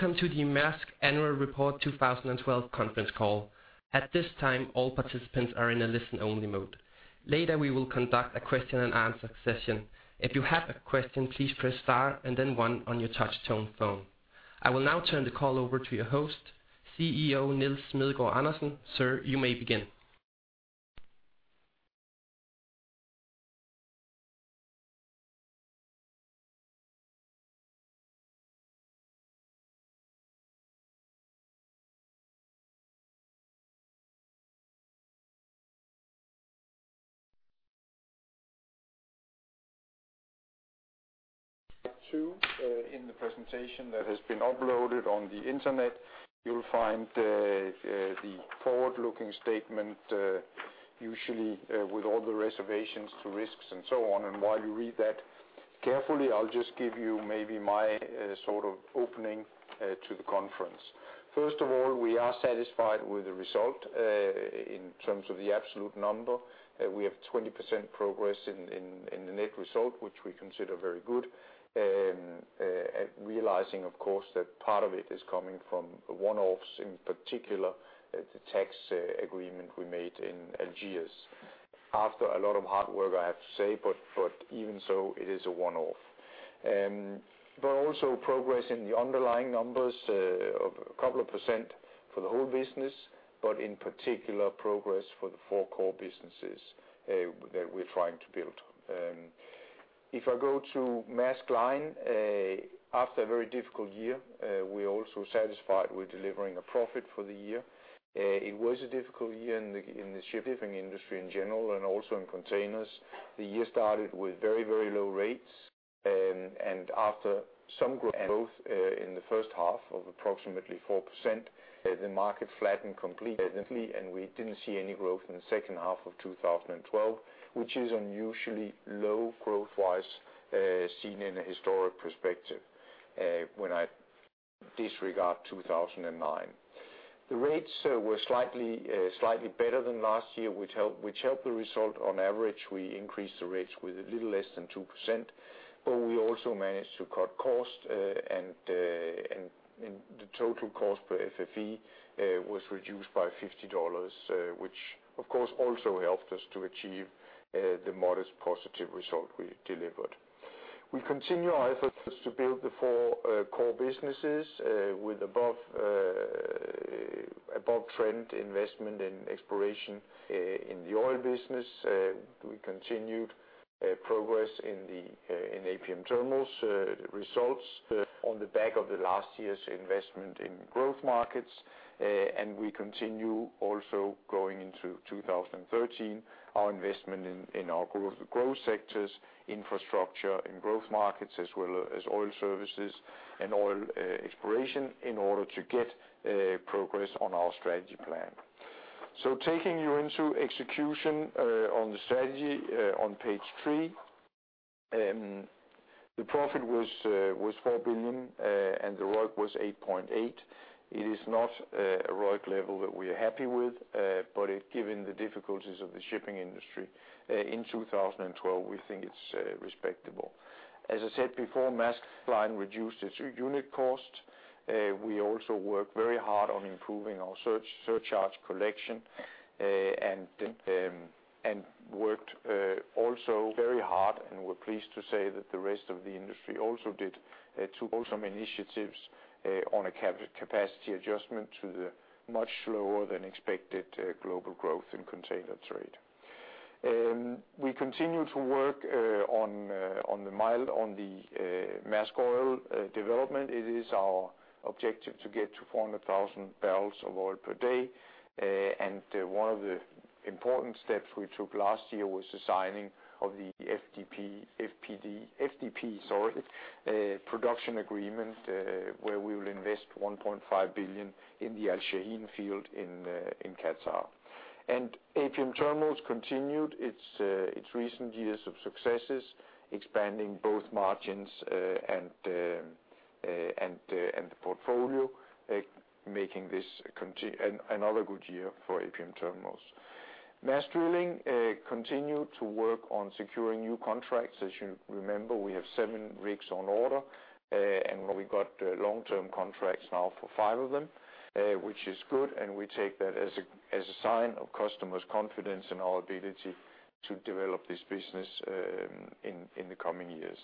Welcome to the Maersk Annual Report 2012 conference call. At this time, all participants are in a listen only mode. Later, we will conduct a question and answer session. If you have a question, please press star and then one on your touch tone phone. I will now turn the call over to your host, CEO Nils Smedegaard Andersen. Sir, you may begin. Two, in the presentation that has been uploaded on the internet, you'll find the forward-looking statement, usually with all the reservations to risks and so on. While you read that carefully, I'll just give you maybe my sort of opening to the conference. First of all, we are satisfied with the result in terms of the absolute number. We have 20% progress in the net result, which we consider very good. Realizing, of course, that part of it is coming from one-offs, in particular, the tax agreement we made in Algeria. After a lot of hard work, I have to say, even so, it is a one-off. Also progress in the underlying numbers of a couple of percent for the whole business, but in particular progress for the four core businesses that we're trying to build. If I go to Maersk Line, after a very difficult year, we're also satisfied with delivering a profit for the year. It was a difficult year in the shipping industry in general, and also in containers. The year started with very, very low rates, and after some growth, both in the first half of approximately 4%, the market flattened completely, and we didn't see any growth in the second half of 2012, which is unusually low growth-wise, seen in a historic perspective, when I disregard 2009. The rates were slightly better than last year, which helped the result. On average, we increased the rates with a little less than 2%, but we also managed to cut cost, and the total cost per FFE was reduced by $50, which of course, also helped us to achieve the modest positive result we delivered. We continue our efforts to build the four core businesses with above trend investment in exploration in the oil business. We continued progress in APM Terminals results on the back of the last year's investment in growth markets. We continue also going into 2013, our investment in our growth sectors, infrastructure in growth markets, as well as oil services and oil exploration in order to get progress on our strategy plan. Taking you into execution on the strategy on page three, the profit was $4 billion, and the ROIC was 8.8%. It is not a ROIC level that we are happy with, but given the difficulties of the shipping industry in 2012, we think it's respectable. As I said before, Maersk Line reduced its unit cost. We also work very hard on improving our surcharge collection and worked also very hard, and we're pleased to say that the rest of the industry also did to hold some initiatives on a capacity adjustment to the much lower than expected global growth in container trade. We continue to work on the Maersk Oil development. It is our objective to get to 400,000 bbl of oil per day. One of the important steps we took last year was the signing of the FDP production agreement, where we will invest $1.5 billion in the Al Shaheen field in Qatar. APM Terminals continued its recent years of successes, expanding both margins and the portfolio, making this another good year for APM Terminals. Maersk Drilling continued to work on securing new contracts. As you remember, we have seven rigs on order, and we got long-term contracts now for five of them, which is good, and we take that as a sign of customers' confidence in our ability to develop this business in the coming years.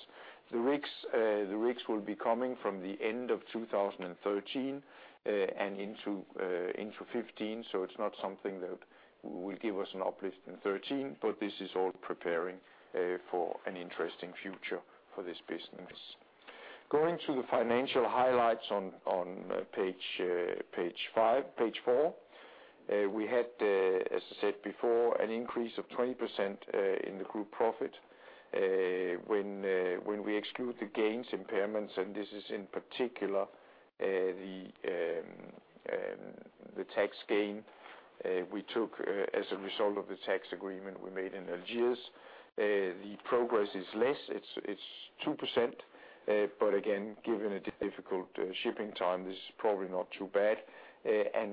The rigs will be coming from the end of 2013 and into 2015. It's not something that will give us an uplift in 2013, but this is all preparing for an interesting future for this business. Going to the financial highlights on page four, we had, as I said before, an increase of 20% in the group profit. When we exclude the gains and impairments, and this is in particular the tax gain we took as a result of the tax agreement we made in Algiers, the progress is less. It's 2%, but again, given the difficult shipping time, this is probably not too bad.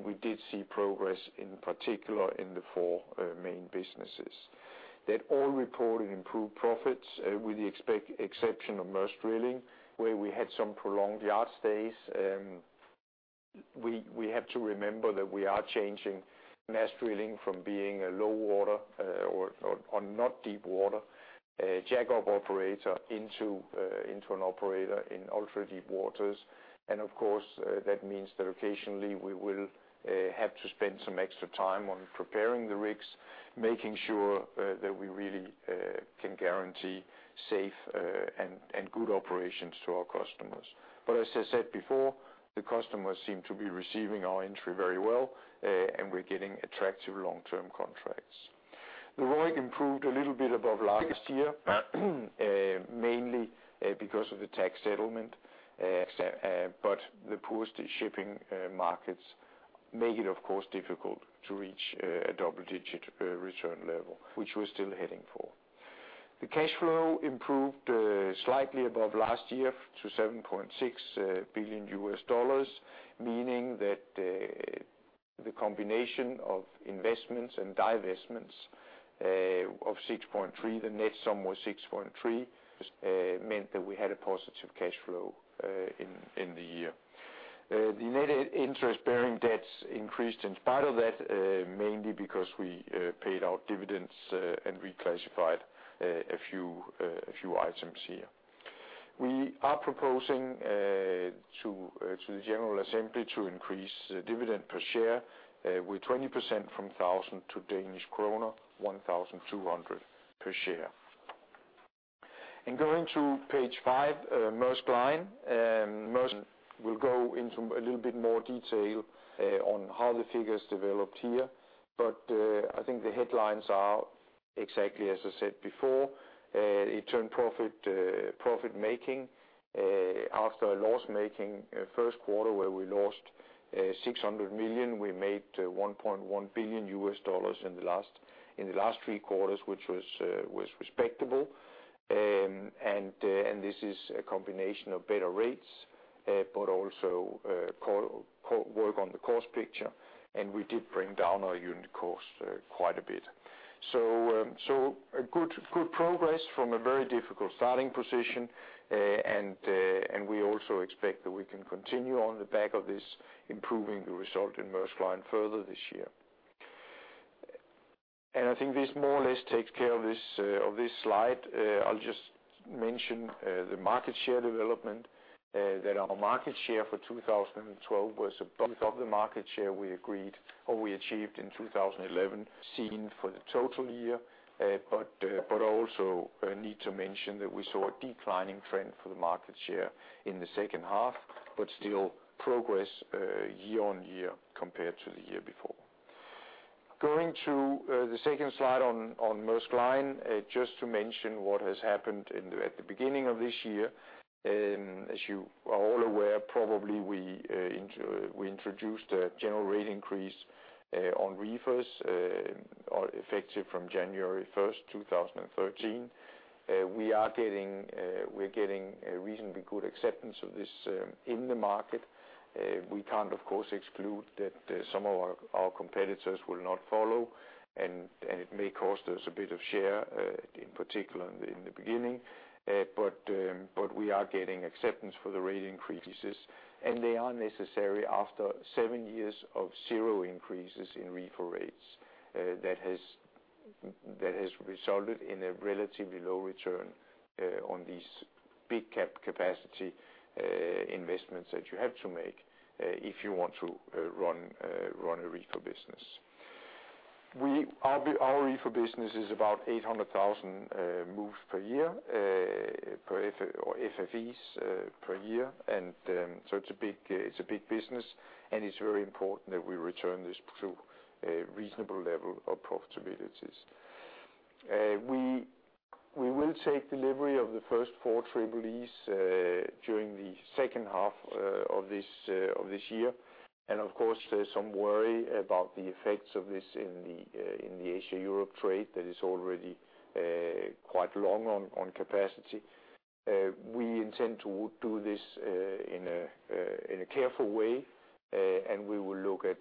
We did see progress in particular in the four main businesses. They all reported improved profits, with the exception of Maersk Drilling, where we had some prolonged yard stays. We have to remember that we are changing Maersk Drilling from being a shallow water or not deep water jack-up operator into an operator in ultra-deep waters. Of course, that means that occasionally we will have to spend some extra time on preparing the rigs, making sure that we really can guarantee safe and good operations to our customers. As I said before, the customers seem to be receiving our entry very well, and we're getting attractive long-term contracts. The ROIC improved a little bit above last year, mainly because of the tax settlement. The spot shipping markets make it, of course, difficult to reach a double-digit return level, which we're still heading for. The cash flow improved slightly above last year to $7.6 billion, meaning that the combination of investments and divestments of $6.3 billion, the net sum was $6.3 billion, meant that we had a positive cash flow in the year. The net and interest-bearing debts increased in spite of that, mainly because we paid out dividends and reclassified a few items here. We are proposing to the general assembly to increase the dividend per share with 20% from 1,000 to Danish kroner 1,200 per share. Going to page five, Maersk Line, Maersk will go into a little bit more detail on how the figures developed here. I think the headlines are exactly as I said before, it turned profit-making after a loss-making first quarter where we lost $600 million. We made $1.1 billion in the last three quarters, which was respectable. This is a combination of better rates, but also all work on the cost picture, and we did bring down our unit cost quite a bit. A good progress from a very difficult starting position. We also expect that we can continue on the back of this, improving the result in Maersk Line further this year. I think this more or less takes care of this slide. I'll just mention the market share development that our market share for 2012 was above the market share we agreed or we achieved in 2011, seen for the total year. Also need to mention that we saw a declining trend for the market share in the second half, but still progress year on year compared to the year before. Going to the second slide on Maersk Line just to mention what has happened at the beginning of this year. As you are all aware, probably we introduced a general rate increase on reefers effective from January 1, 2013. We're getting a reasonably good acceptance of this in the market. We can't of course exclude that some of our competitors will not follow, and it may cost us a bit of share in particular in the beginning. We are getting acceptance for the rate increases, and they are necessary after seven years of zero increases in reefer rates that has resulted in a relatively low return on these big CapEx capacity investments that you have to make if you want to run a reefer business. Our reefer business is about 800,000 moves per year per FFEs per year. It's a big business, and it's very important that we return this to a reasonable level of profitabilities. We will take delivery of the first 4 Triple-E's during the second half of this year. Of course, there's some worry about the effects of this in the Asia-Europe trade that is already quite long on capacity. We intend to do this in a careful way, and we will look at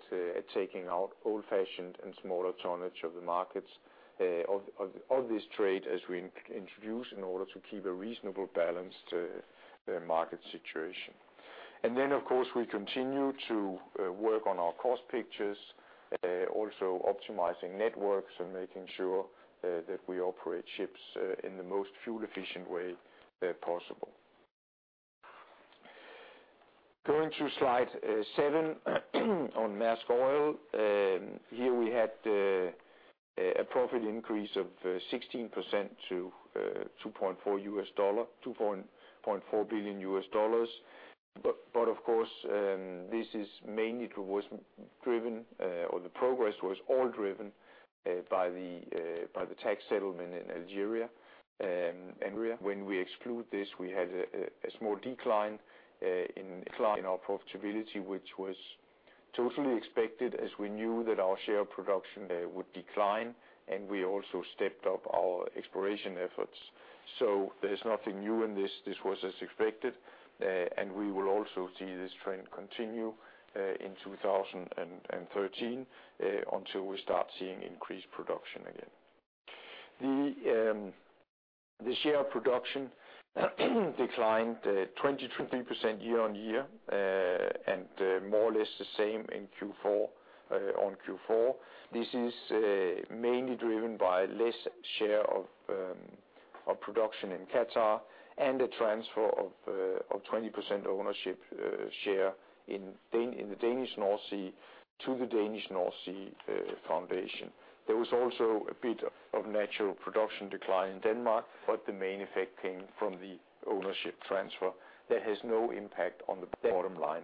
taking out old-fashioned and smaller tonnage of the markets of this trade as we introduce in order to keep a reasonable balanced market situation. Of course, we continue to work on our cost pictures, also optimizing networks and making sure that we operate ships in the most fuel-efficient way possible. Going to slide 7 on Maersk Oil. Here we had a profit increase of 16% to $2.4 billion. Of course, this was mainly driven by the tax settlement in Algeria. When we exclude this, we had a small decline in our profitability, which was totally expected as we knew that our share of production would decline and we also stepped up our exploration efforts. There's nothing new in this. This was as expected. We will also see this trend continue in 2013 until we start seeing increased production again. The share of production declined 20%-30% year-on-year. more or less the same in Q4 on Q4. This is mainly driven by less share of production in Qatar and the transfer of 20% ownership share in the Danish North Sea to the Danish North Sea Foundation. There was also a bit of natural production decline in Denmark, but the main effect came from the ownership transfer that has no impact on the bottom line,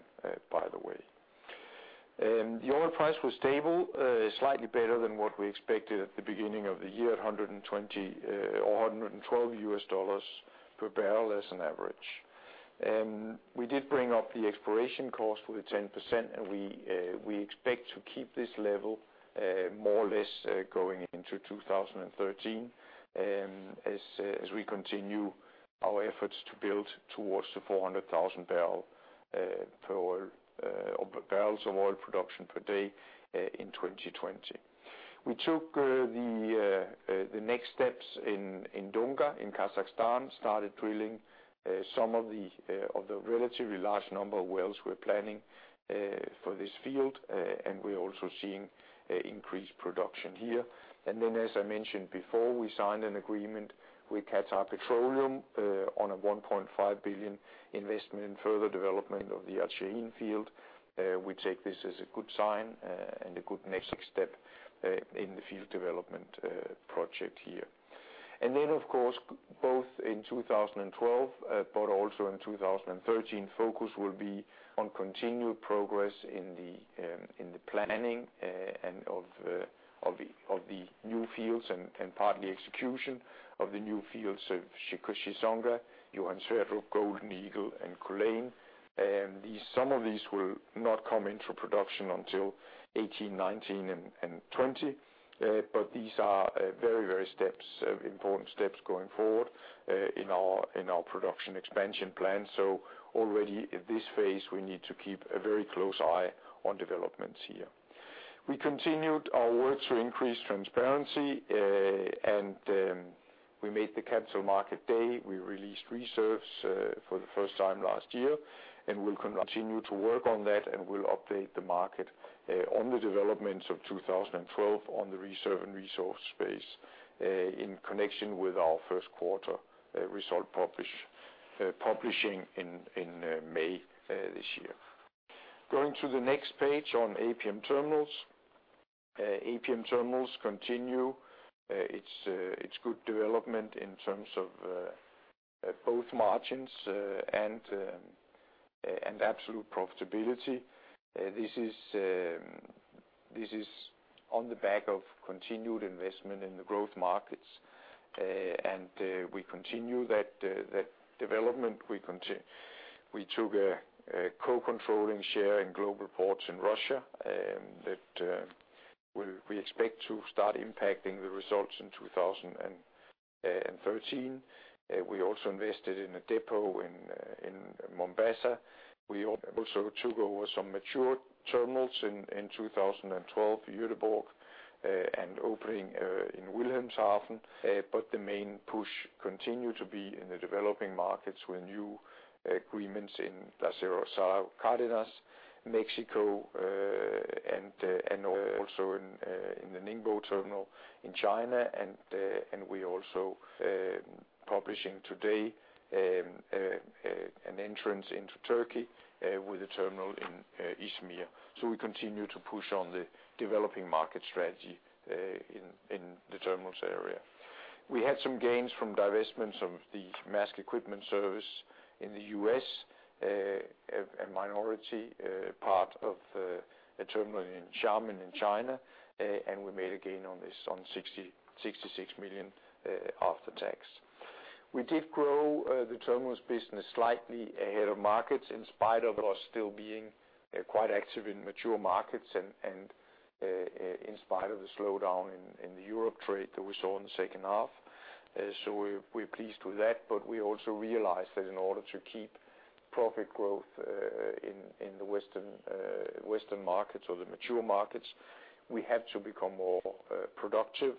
by the way. The oil price was stable, slightly better than what we expected at the beginning of the year, at $120 or $112 per barrel as an average. We did bring up the exploration cost with 10%, and we expect to keep this level more or less going into 2013, as we continue our efforts to build towards the 400,000 bbl of oil production per day in 2020. We took the next steps in Dunga in Kazakhstan, started drilling some of the relatively large number of wells we're planning for this field. We're also seeing increased production here. As I mentioned before, we signed an agreement with Qatar Petroleum on a $1.5 billion investment in further development of the Al Shaheen field. We take this as a good sign, and a good next step, in the field development project here. Of course, both in 2012, but also in 2013, focus will be on continued progress in the planning and of the new fields and partly execution of the new fields of Chissonga, Johan Sverdrup, Golden Eagle, and Culzean. These, some of these will not come into production until 2018, 2019, and 2020. But these are very important steps going forward, in our production expansion plan. Already at this phase, we need to keep a very close eye on developments here. We continued our work to increase transparency, and we made the Capital Market Day. We released reserves for the first time last year, and we'll continue to work on that. We'll update the market on the developments of 2012 on the reserve and resource space in connection with our first quarter result publishing in May this year. Going to the next page on APM Terminals. APM Terminals continue its good development in terms of both margins and absolute profitability. This is on the back of continued investment in the growth markets. We continue that development. We took a co-controlling share in Global Ports in Russia that we expect to start impacting the results in 2013. We also invested in a depot in Mombasa. We also took over some mature terminals in 2012, Göteborg, and opening in Wilhelmshaven. The main push continued to be in the developing markets with new agreements in Lázaro Cárdenas, Mexico, and also in the Ningbo terminal in China. We also announcing today an entrance into Turkey with a terminal in Izmir. We continue to push on the developing market strategy in the terminals area. We had some gains from divestments of the Maersk Equipment Service in the U.S., a minority part of a terminal in Xiamen in China, and we made a gain on this of $66 million after tax. We did grow the terminals business slightly ahead of markets in spite of us still being quite active in mature markets and in spite of the slowdown in the European trade that we saw in the second half. We're pleased with that, but we also realize that in order to keep profit growth in the Western markets or the mature markets, we have to become more productive.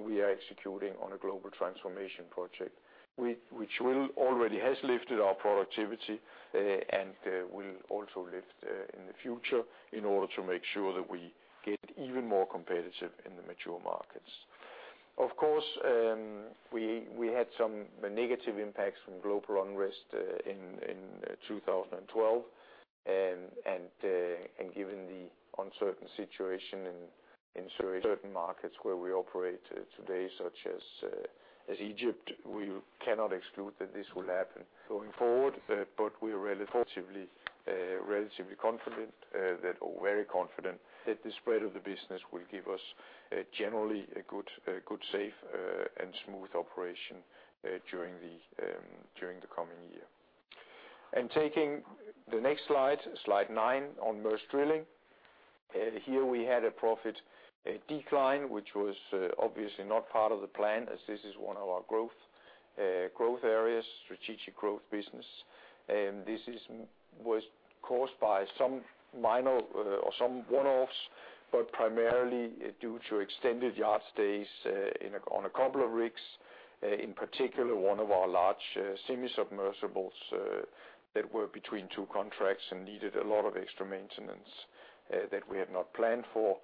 We are executing on a global transformation project, which has already lifted our productivity and will also lift in the future in order to make sure that we get even more competitive in the mature markets. Of course, we had some negative impacts from global unrest in 2012. Given the uncertain situation in certain markets where we operate today, such as Egypt, we cannot exclude that this will happen going forward. But we are relatively confident, or very confident, that the spread of the business will give us generally a good, safe, and smooth operation during the coming year. Taking the next slide, Slide 9 on Maersk Drilling. Here we had a profit decline, which was obviously not part of the plan as this is one of our growth areas, strategic growth business. This was caused by some minor or some one-offs, but primarily due to extended yard stays on a couple of rigs. In particular, one of our large semi-submersibles that were between two contracts and needed a lot of extra maintenance that we had not planned for.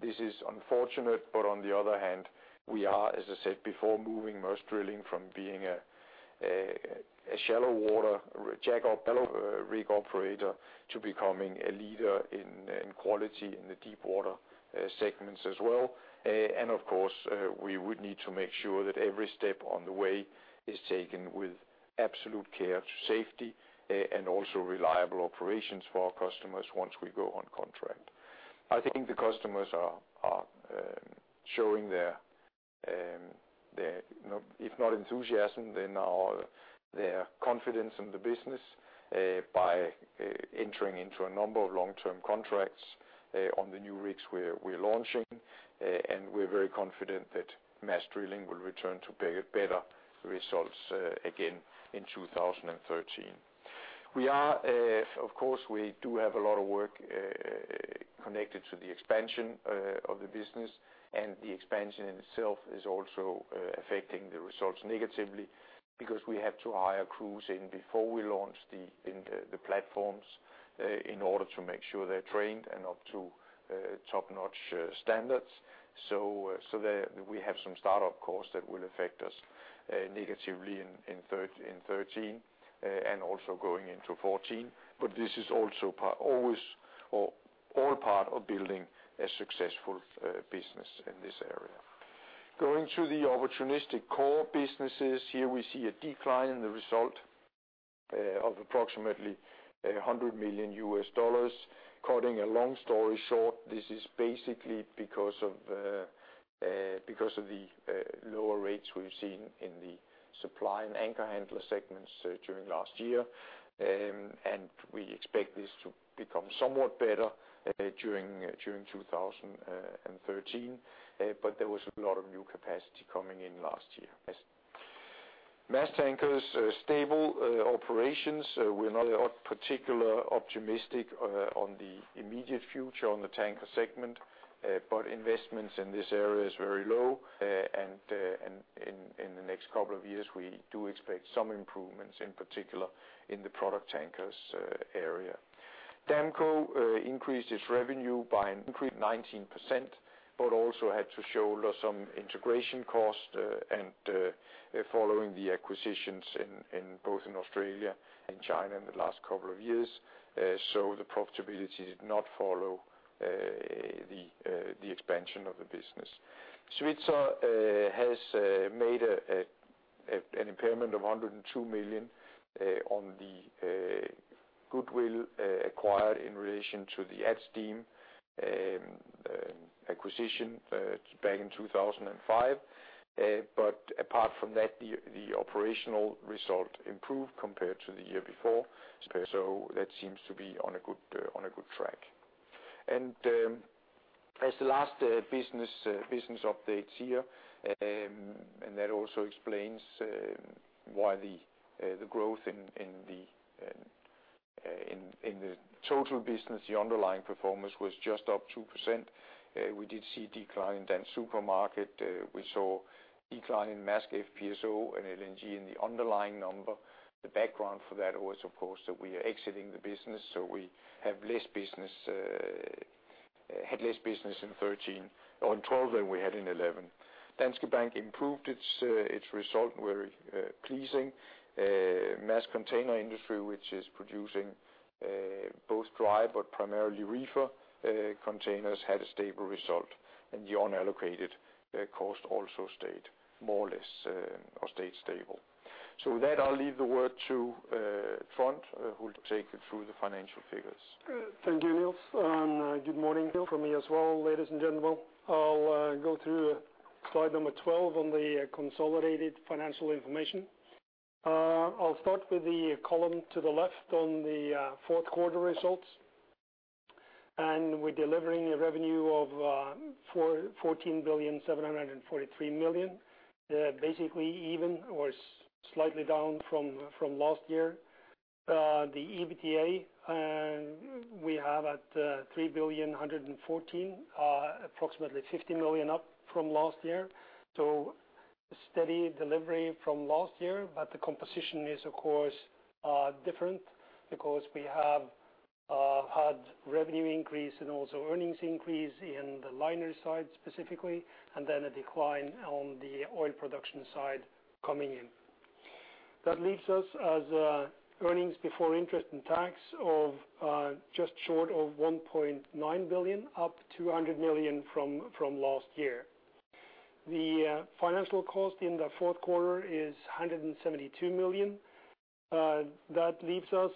This is unfortunate, but on the other hand, we are, as I said before, moving Maersk Drilling from being a shallow water jack-up rig operator to becoming a leader in quality in the deep water segments as well. Of course, we would need to make sure that every step on the way is taken with absolute care to safety and also reliable operations for our customers once we go on contract. I think the customers are showing their you know, if not enthusiasm, then their confidence in the business by entering into a number of long-term contracts on the new rigs we're launching. We're very confident that Maersk Drilling will return to better results again in 2013. We are of course we do have a lot of work connected to the expansion of the business, and the expansion itself is also affecting the results negatively because we have to hire crews in before we launch the platforms in order to make sure they're trained and up to top-notch standards. There we have some startup costs that will affect us negatively in 2013 and also going into 2014. This is also part of building a successful business in this area. Going to the opportunistic core businesses, here we see a decline in the result of approximately $100 million. Cutting a long story short, this is basically because of the lower rates we've seen in the supply and anchor handler segments during last year. We expect this to become somewhat better during 2013. There was a lot of new capacity coming in last year. Maersk Tankers stable operations. We're not particularly optimistic on the immediate future on the tanker segment. Investments in this area is very low. In the next couple of years, we do expect some improvements, in particular in the product tankers area. Damco increased its revenue by 19%, but also had to shoulder some integration costs and following the acquisitions in both Australia and China in the last couple of years. The profitability did not follow the expansion of the business. Svitzer has made an impairment of $102 million on the goodwill acquired in relation to the Adsteam acquisition back in 2005. Apart from that, the operational result improved compared to the year before. That seems to be on a good track. As the last business updates here, and that also explains why the growth in the total business, the underlying performance was just up 2%. We did see a decline in Dansk Supermarked. We saw decline in Maersk FPSOs and LNG in the underlying number. The background for that was, of course, that we are exiting the business, so we have less business, had less business in 2013, in 2012 than we had in 2011. Danske Bank improved its result, very pleasing. Maersk Container Industry, which is producing both dry but primarily reefer containers, had a stable result. The unallocated cost also stayed more or less, or stayed stable. With that, I'll leave the word to Trond, who will take you through the financial figures. Thank you, Nils. Good morning from me as well, ladies and gentlemen. I'll go through slide number 12 on the consolidated financial information. I'll start with the column to the left on the fourth quarter results. We're delivering a revenue of $14 billion, 743 million. Basically even or slightly down from last year. The EBITDA we have at $3,000000114 Billion, approximately $50 million up from last year. Steady delivery from last year, but the composition is, of course, different because we have had revenue increase and also earnings increase in the liner side specifically, and then a decline on the oil production side coming in. That leaves us as earnings before interest and tax of just short of $1.9 billion, up $200 million from last year. The financial cost in the fourth quarter is $172 million. That leaves us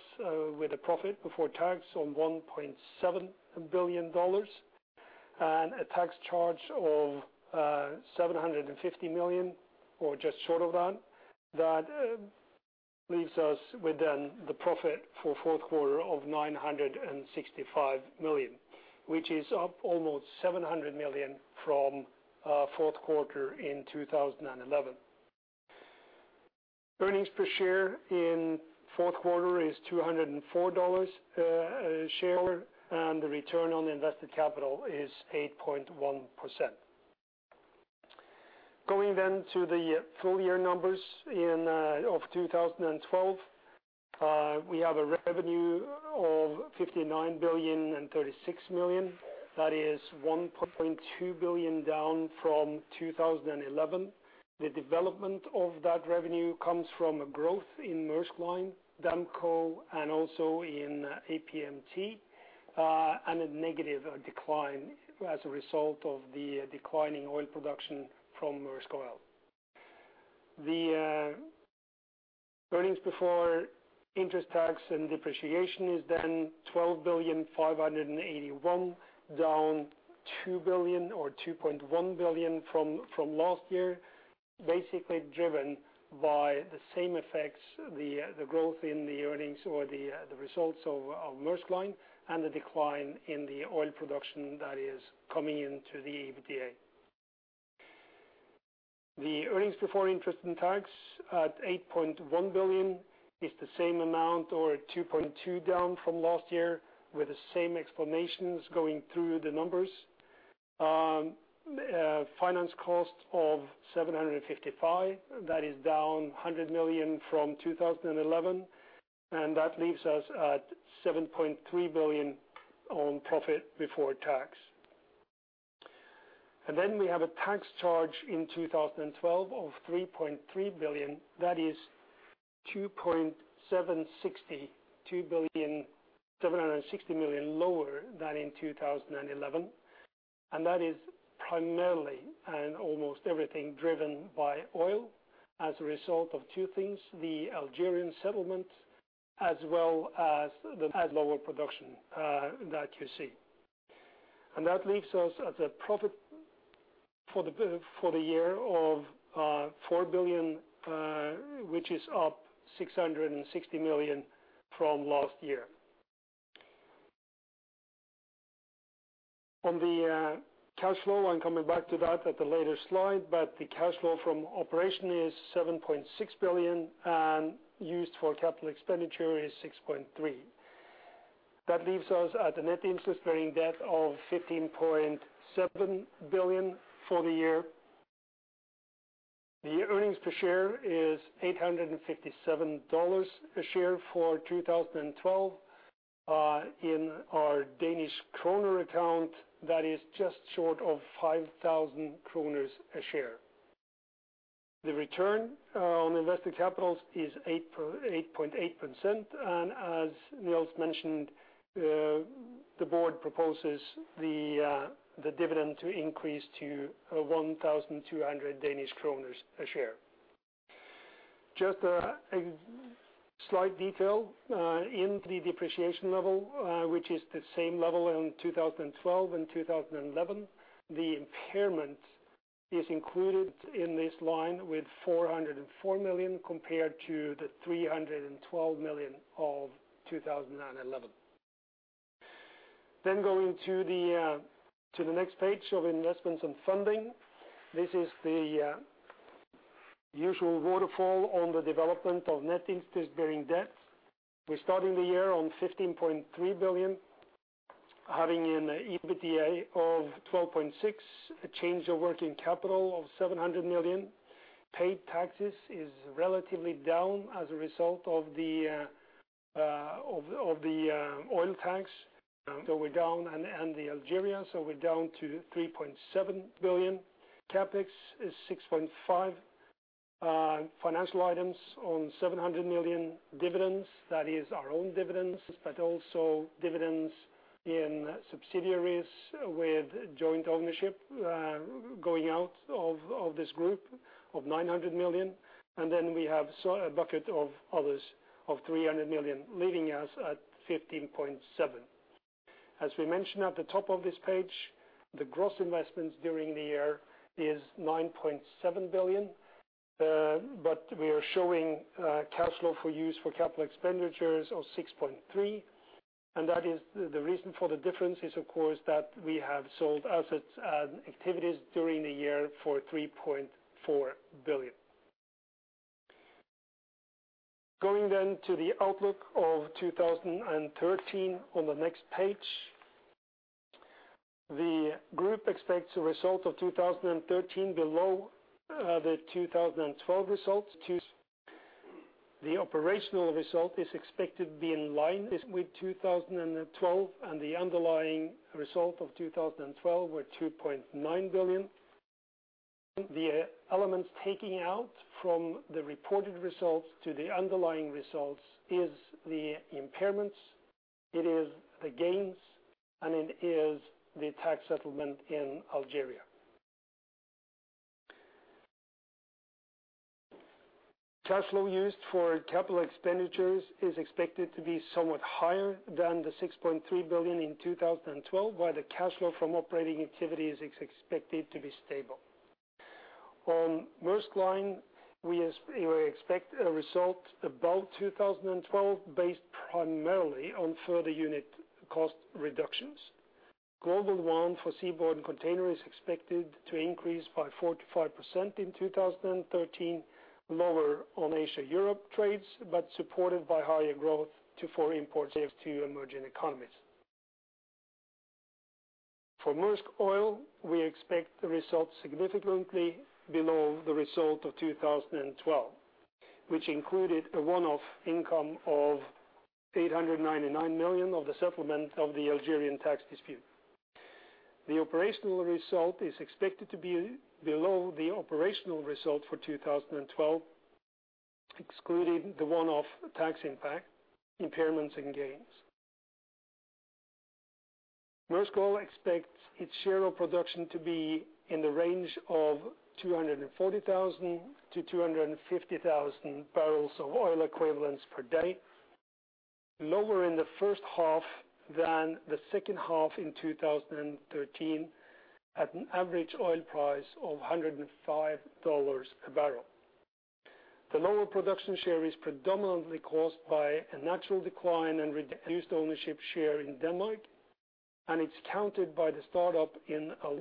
with a profit before tax on $1.7 billion. And a tax charge of $750 million or just short of that. That leaves us with then the profit for fourth quarter of $965 million, which is up almost $700 million from fourth quarter in 2011. Earnings per share in fourth quarter is $204 a share, and the return on invested capital is 8.1%. Going to the full year numbers for 2012, we have a revenue of $59.036 billion. That is $1.2 billion down from 2011. The development of that revenue comes from a growth in Maersk Line, Damco, and also in APMT, and a negative decline as a result of the declining oil production from Maersk Oil. The earnings before interest, tax, and depreciation is then $12.581 billion, down $2 billion or $2.1 billion from last year, basically driven by the same effects, the growth in the earnings or the results of Maersk Line and the decline in the oil production that is coming into the EBITDA. The earnings before interest and tax at $8.1 billion is the same amount or $2.2 billion down from last year with the same explanations going through the numbers. Finance cost of $755 million, that is down $100 million from 2011, and that leaves us at $7.3 billion on profit before tax. We have a tax charge in 2012 of $3.3 billion. That is $2.76 billion lower than in 2011. That is primarily and almost everything driven by oil as a result of two things, the Algerian settlement as well as lower production that you see. That leaves us at a profit for the year of $4 billion, which is up $660 million from last year. On the cash flow, I'm coming back to that at the later slide, but the cash flow from operation is $7.6 billion and used for capital expenditure is $6.3 billion. That leaves us at a net interest-bearing debt of $15.7 billion for the year. The earnings per share is $857 a share for 2012. In our Danish kroner account, that is just short of 5,000 kroner a share. The return on invested capital is 8.8%. As Nils mentioned, the board proposes the dividend to increase to 1,200 Danish kroner a share. Just a slight detail in the depreciation level, which is the same level in 2012 and 2011. The impairment is included in this line with $404 million compared to the $312 million of 2011. Going to the next page of investments and funding. This is the usual waterfall on the development of net interest-bearing debt. We're starting the year on $15.3 billion, having an EBITDA of $12.6 billion, a change of working capital of $700 million. Paid taxes is relatively down as a result of the oil tax. We're down, and in Algeria, so we're down to $3.7 billion. CapEx is $6.5 billion. Financial items on $700 million dividends, that is our own dividends, but also dividends in subsidiaries with joint ownership, going out of this group of $900 million. Then we have a bucket of others of $300 million, leaving us at $15.7 billion. As we mentioned at the top of this page, the gross investments during the year is $9.7 billion. We are showing cash flow used for capital expenditures of $6.3 billion. That is, the reason for the difference is of course, that we have sold assets and activities during the year for $3.4 billion. Going to the outlook of 2013 on the next page. The operational result is expected to be in line with 2012, and the underlying result of 2012 were $2.9 billion. The elements taking out from the reported results to the underlying results is the impairments, it is the gains, and it is the tax settlement in Algeria. Cash flow used for capital expenditures is expected to be somewhat higher than the $6.3 billion in 2012, while the cash flow from operating activity is expected to be stable. On Maersk Line, we expect a result above 2012 based primarily on further unit cost reductions. Global ton for seaborne container is expected to increase by 45% in 2013, lower on Asia-Europe trades, but supported by higher growth to foreign imports to emerging economies. For Maersk Oil, we expect the results significantly below the result of 2012, which included a one-off income of $899 million of the settlement of the Algerian tax dispute. The operational result is expected to be below the operational result for 2012, excluding the one-off tax impact, impairments, and gains. Maersk Oil expects its share of production to be in the range of 240,000-250,000 bbl of oil equivalents per day, lower in the first half than the second half in 2013, at an average oil price of $105 a barrel. The lower production share is predominantly caused by a natural decline and reduced ownership share in Denmark, and it's countered by the start-up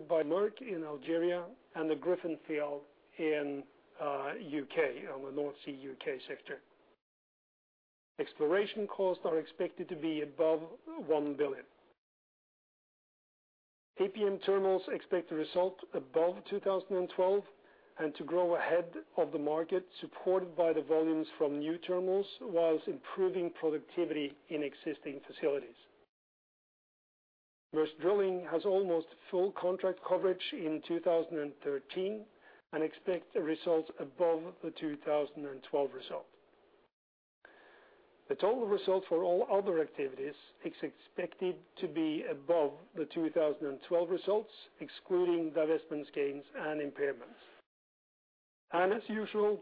by Maersk in Algeria and the Gryphon field in the U.K., on the North Sea U.K. sector. Exploration costs are expected to be above $1 billion. APM Terminals expect a result above 2012 and to grow ahead of the market supported by the volumes from new terminals whilst improving productivity in existing facilities. Maersk Drilling has almost full contract coverage in 2013 and expect a result above the 2012 result. The total result for all other activities is expected to be above the 2012 results, excluding divestment gains and impairments. As usual,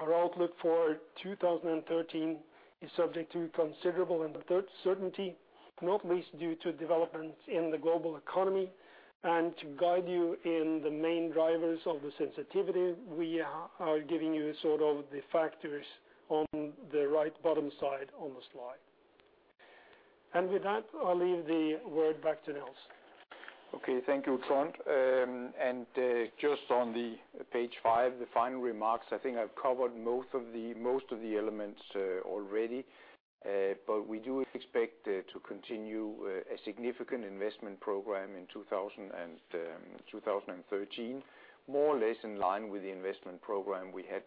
our outlook for 2013 is subject to considerable uncertainty, not least due to developments in the global economy. To guide you in the main drivers of the sensitivity, we are giving you sort of the factors on the right bottom side on the slide. With that, I'll leave the word back to Nils. Okay, thank you, Trond. Just on the page five, the final remarks, I think I've covered most of the elements already. We do expect to continue a significant investment program in 2013, more or less in line with the investment program we had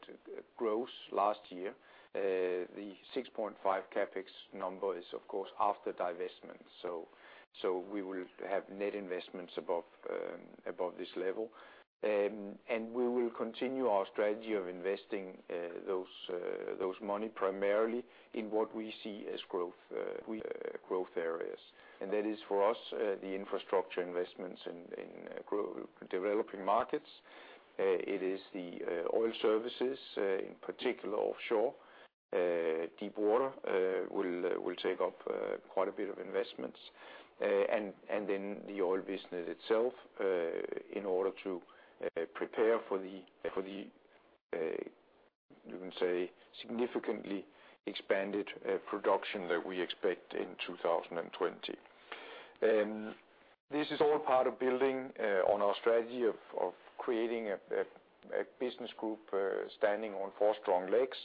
gross last year. The $6.5 CapEx number is of course after divestment. We will have net investments above this level. We will continue our strategy of investing those money primarily in what we see as growth areas. That is for us the infrastructure investments in developing markets. It is the oil services in particular offshore. Deep water will take up quite a bit of investments. Then the oil business itself in order to prepare for the you can say, significantly expanded production that we expect in 2020. This is all part of building on our strategy of creating a business group standing on four strong legs.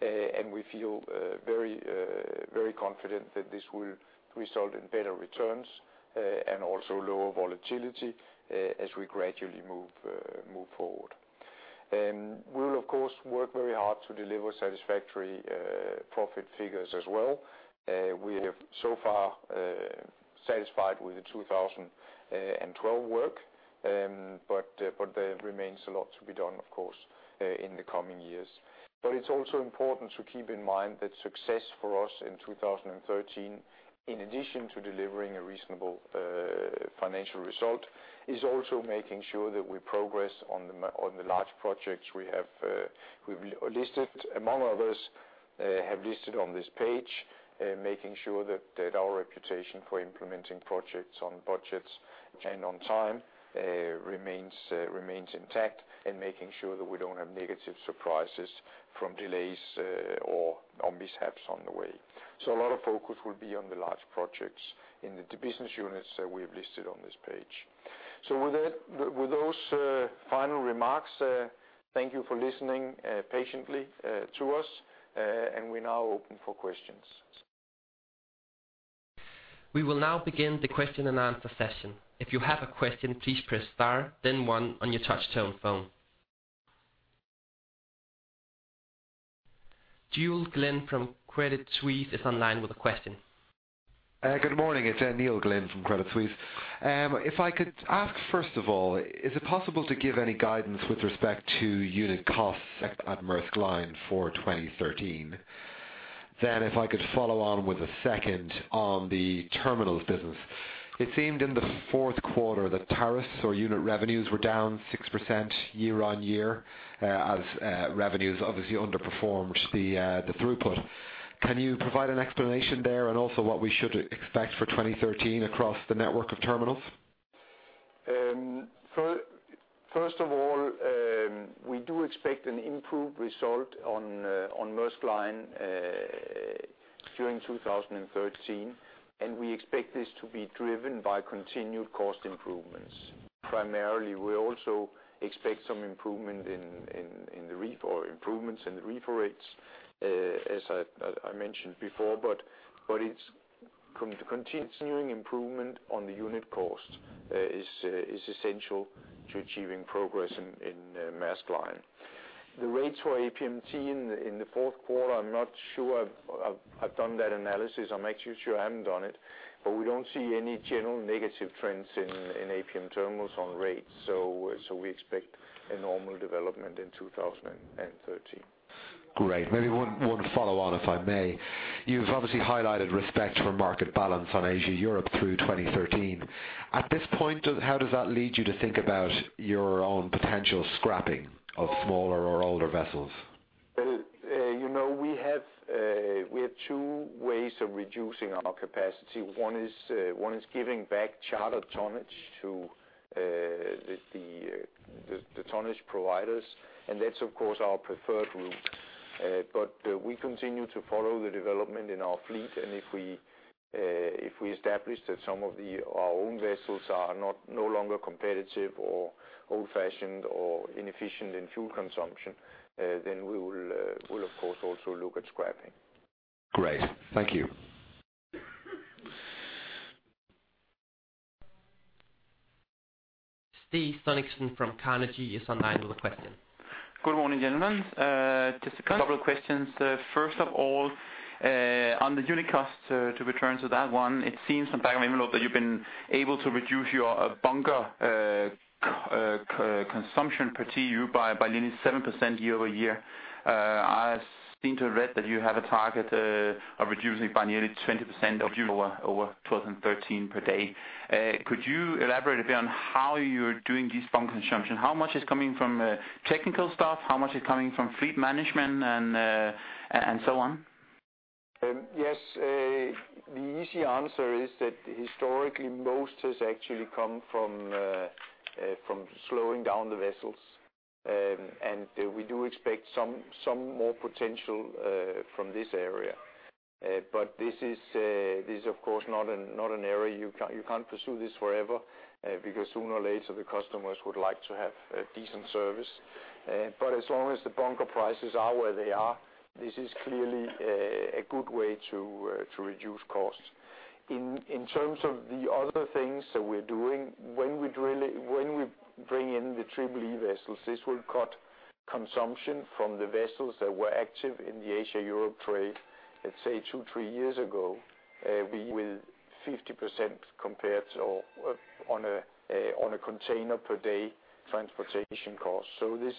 We feel very confident that this will result in better returns and also lower volatility as we gradually move forward. We'll of course work very hard to deliver satisfactory profit figures as well. We have so far satisfied with the 2012 work. There remains a lot to be done, of course, in the coming years. It's also important to keep in mind that success for us in 2013, in addition to delivering a reasonable financial result, is also making sure that we progress on the large projects we've listed, among others, on this page. Making sure that our reputation for implementing projects on budgets and on time remains intact, and making sure that we don't have negative surprises from delays or mishaps on the way. A lot of focus will be on the large projects in the business units that we have listed on this page. With that, with those final remarks, thank you for listening patiently to us. We're now open for questions. We will now begin the question and answer session. If you have a question, please press star then one on your touch tone phone. Neil Glynn from Credit Suisse is online with a question. Good morning. It's Neil Glynn from Credit Suisse. If I could ask, first of all, is it possible to give any guidance with respect to unit costs at Maersk Line for 2013? If I could follow on with a second on the terminals business. It seemed in the fourth quarter that tariffs or unit revenues were down 6% year-on-year, as revenues obviously underperformed the throughput. Can you provide an explanation there and also what we should expect for 2013 across the network of terminals? First of all, we do expect an improved result on Maersk Line during 2013, and we expect this to be driven by continued cost improvements. Primarily, we also expect some improvement in the reefer rates, as I mentioned before, but it's continuing improvement on the unit cost, is essential to achieving progress in Maersk Line. The rates for APMT in the fourth quarter. I'm not sure I've done that analysis. I'll make sure I have done it. We don't see any general negative trends in APM Terminals on rates. We expect a normal development in 2013. Great. Maybe one follow on, if I may. You've obviously highlighted respect for market balance on Asia-Europe through 2013. At this point, how does that lead you to think about your own potential scrapping of smaller or older vessels? Well, you know, we have two ways of reducing our capacity. One is giving back chartered tonnage to the tonnage providers, and that's of course our preferred route. We continue to follow the development in our fleet, and if we establish that some of our own vessels are no longer competitive or old-fashioned or inefficient in fuel consumption, then we will of course also look at scrapping. Great. Thank you. Stig Frederiksen from Carnegie is online with a question. Good morning, gentlemen. Just a couple of questions. First of all, on the unit costs, to return to that one, it seems from back of envelope that you've been able to reduce your bunker consumption per TEU by nearly 7% year-over-year. I seem to have read that you have a target of reducing by nearly 20% of unit over 12 and 13 per day. Could you elaborate a bit on how you're doing this bunker consumption? How much is coming from technical stuff? How much is coming from fleet management and so on? Yes. The easy answer is that historically most has actually come from slowing down the vessels. We do expect some more potential from this area. This is of course not an area you can pursue this forever because sooner or later the customers would like to have a decent service. As long as the bunker prices are where they are, this is clearly a good way to reduce costs. In terms of the other things that we're doing, when we bring in the Triple-E vessels, this will cut consumption from the vessels that were active in the Asia-Europe trade, let's say two, three years ago, with 50% compared to on a container per day transportation cost. This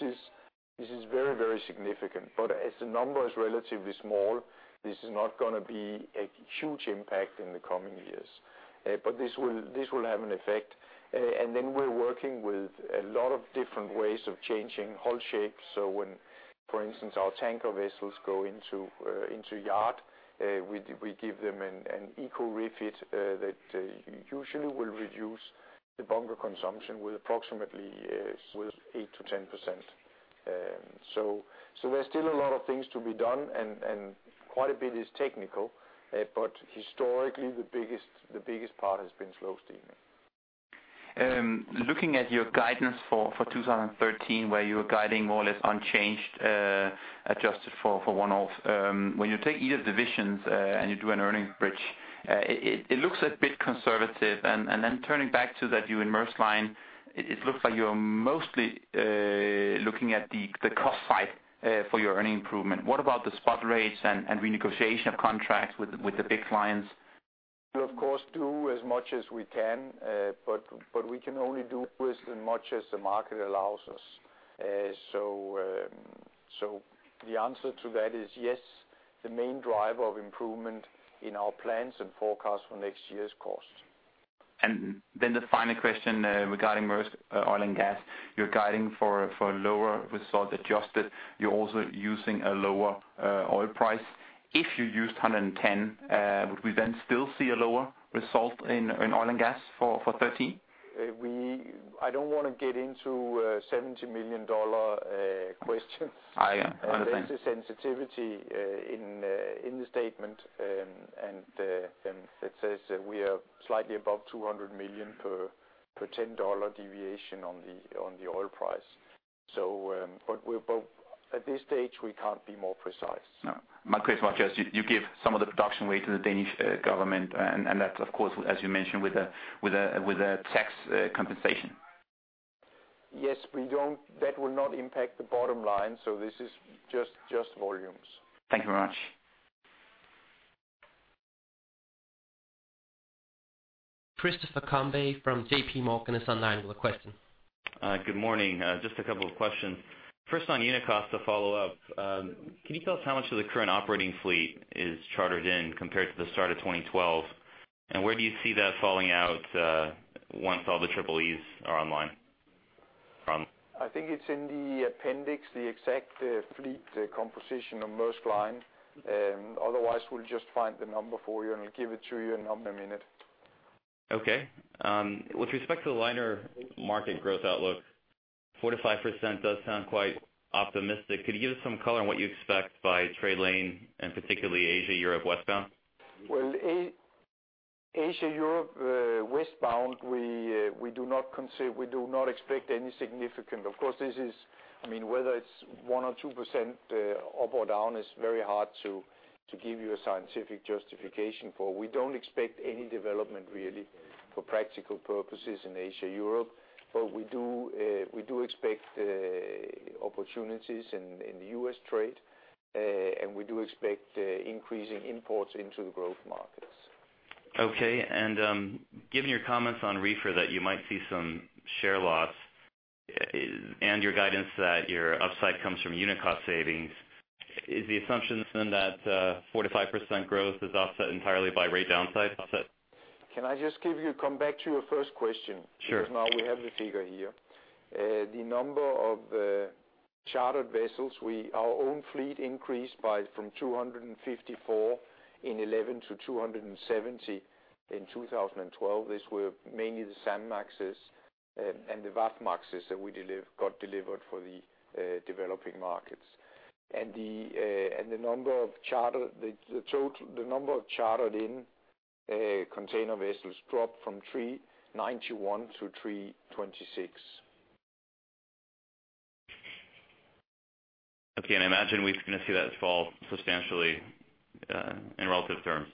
is very significant. As the number is relatively small, this is not gonna be a huge impact in the coming years. This will have an effect. We're working with a lot of different ways of changing hull shapes. When, for instance, our tanker vessels go into yard, we give them an eco refit that usually will reduce the bunker consumption with approximately 8%-10%. There's still a lot of things to be done and quite a bit is technical, but historically the biggest part has been slow steaming. Looking at your guidance for 2013, where you're guiding more or less unchanged, adjusted for one-off, when you take each of the divisions, and you do an earnings bridge, it looks a bit conservative. Then turning back to that view in Maersk Line, it looks like you're mostly looking at the cost side for your earnings improvement. What about the spot rates and renegotiation of contracts with the big clients? We of course do as much as we can, but we can only do with as much as the market allows us. The answer to that is yes, the main driver of improvement in our plans and forecasts for next year is cost. The final question regarding Maersk Oil. You're guiding for lower result adjusted. You're also using a lower oil price. If you used $110, would we then still see a lower result in Maersk Oil for 2013? I don't wanna get into a $70 million questions. I understand. There's a sensitivity in the statement, and it says that we are slightly above $200 million per $10 deviation on the oil price. At this stage, we can't be more precise. No. My question was just you give some of the production weight to the Danish government and that's of course, as you mentioned, with a tax compensation. Yes. We don't, that will not impact the bottom line, so this is just volumes. Thank you very much. Christopher Combe from JPMorgan is on the line with a question. Good morning. Just a couple of questions. First, on unit cost to follow up. Can you tell us how much of the current operating fleet is chartered in compared to the start of 2012? Where do you see that falling out, once all the Triple-E's are online? I think it's in the appendix, the exact fleet composition of Maersk Line. Otherwise we'll just find the number for you, and I'll give it to you in a minute. Okay. With respect to the liner market growth outlook, 4%-5% does sound quite optimistic. Could you give us some color on what you expect by trade lane, and particularly Asia, Europe, westbound? Well, Asia, Europe westbound, we do not expect any significant. Of course, this is, I mean, whether it's 1% or 2% up or down, it's very hard to give you a scientific justification for. We don't expect any development really for practical purposes in Asia/Europe. We do expect opportunities in the U.S. trade. We do expect increasing imports into the growth markets. Okay. Given your comments on reefer that you might see some share loss and your guidance that your upside comes from unit cost savings, is the assumption then that 4%-5% growth is offset entirely by rate downside? Can I just come back to your first question? Sure. Because now we have the figure here. The number of chartered vessels, our own fleet increased by from 254 in 2011 to 270 in 2012. These were mainly the Sammax and the Wafmax that we got delivered for the developing markets. The total number of chartered in container vessels dropped from 391 to 326. I imagine we're gonna see that fall substantially in relative terms.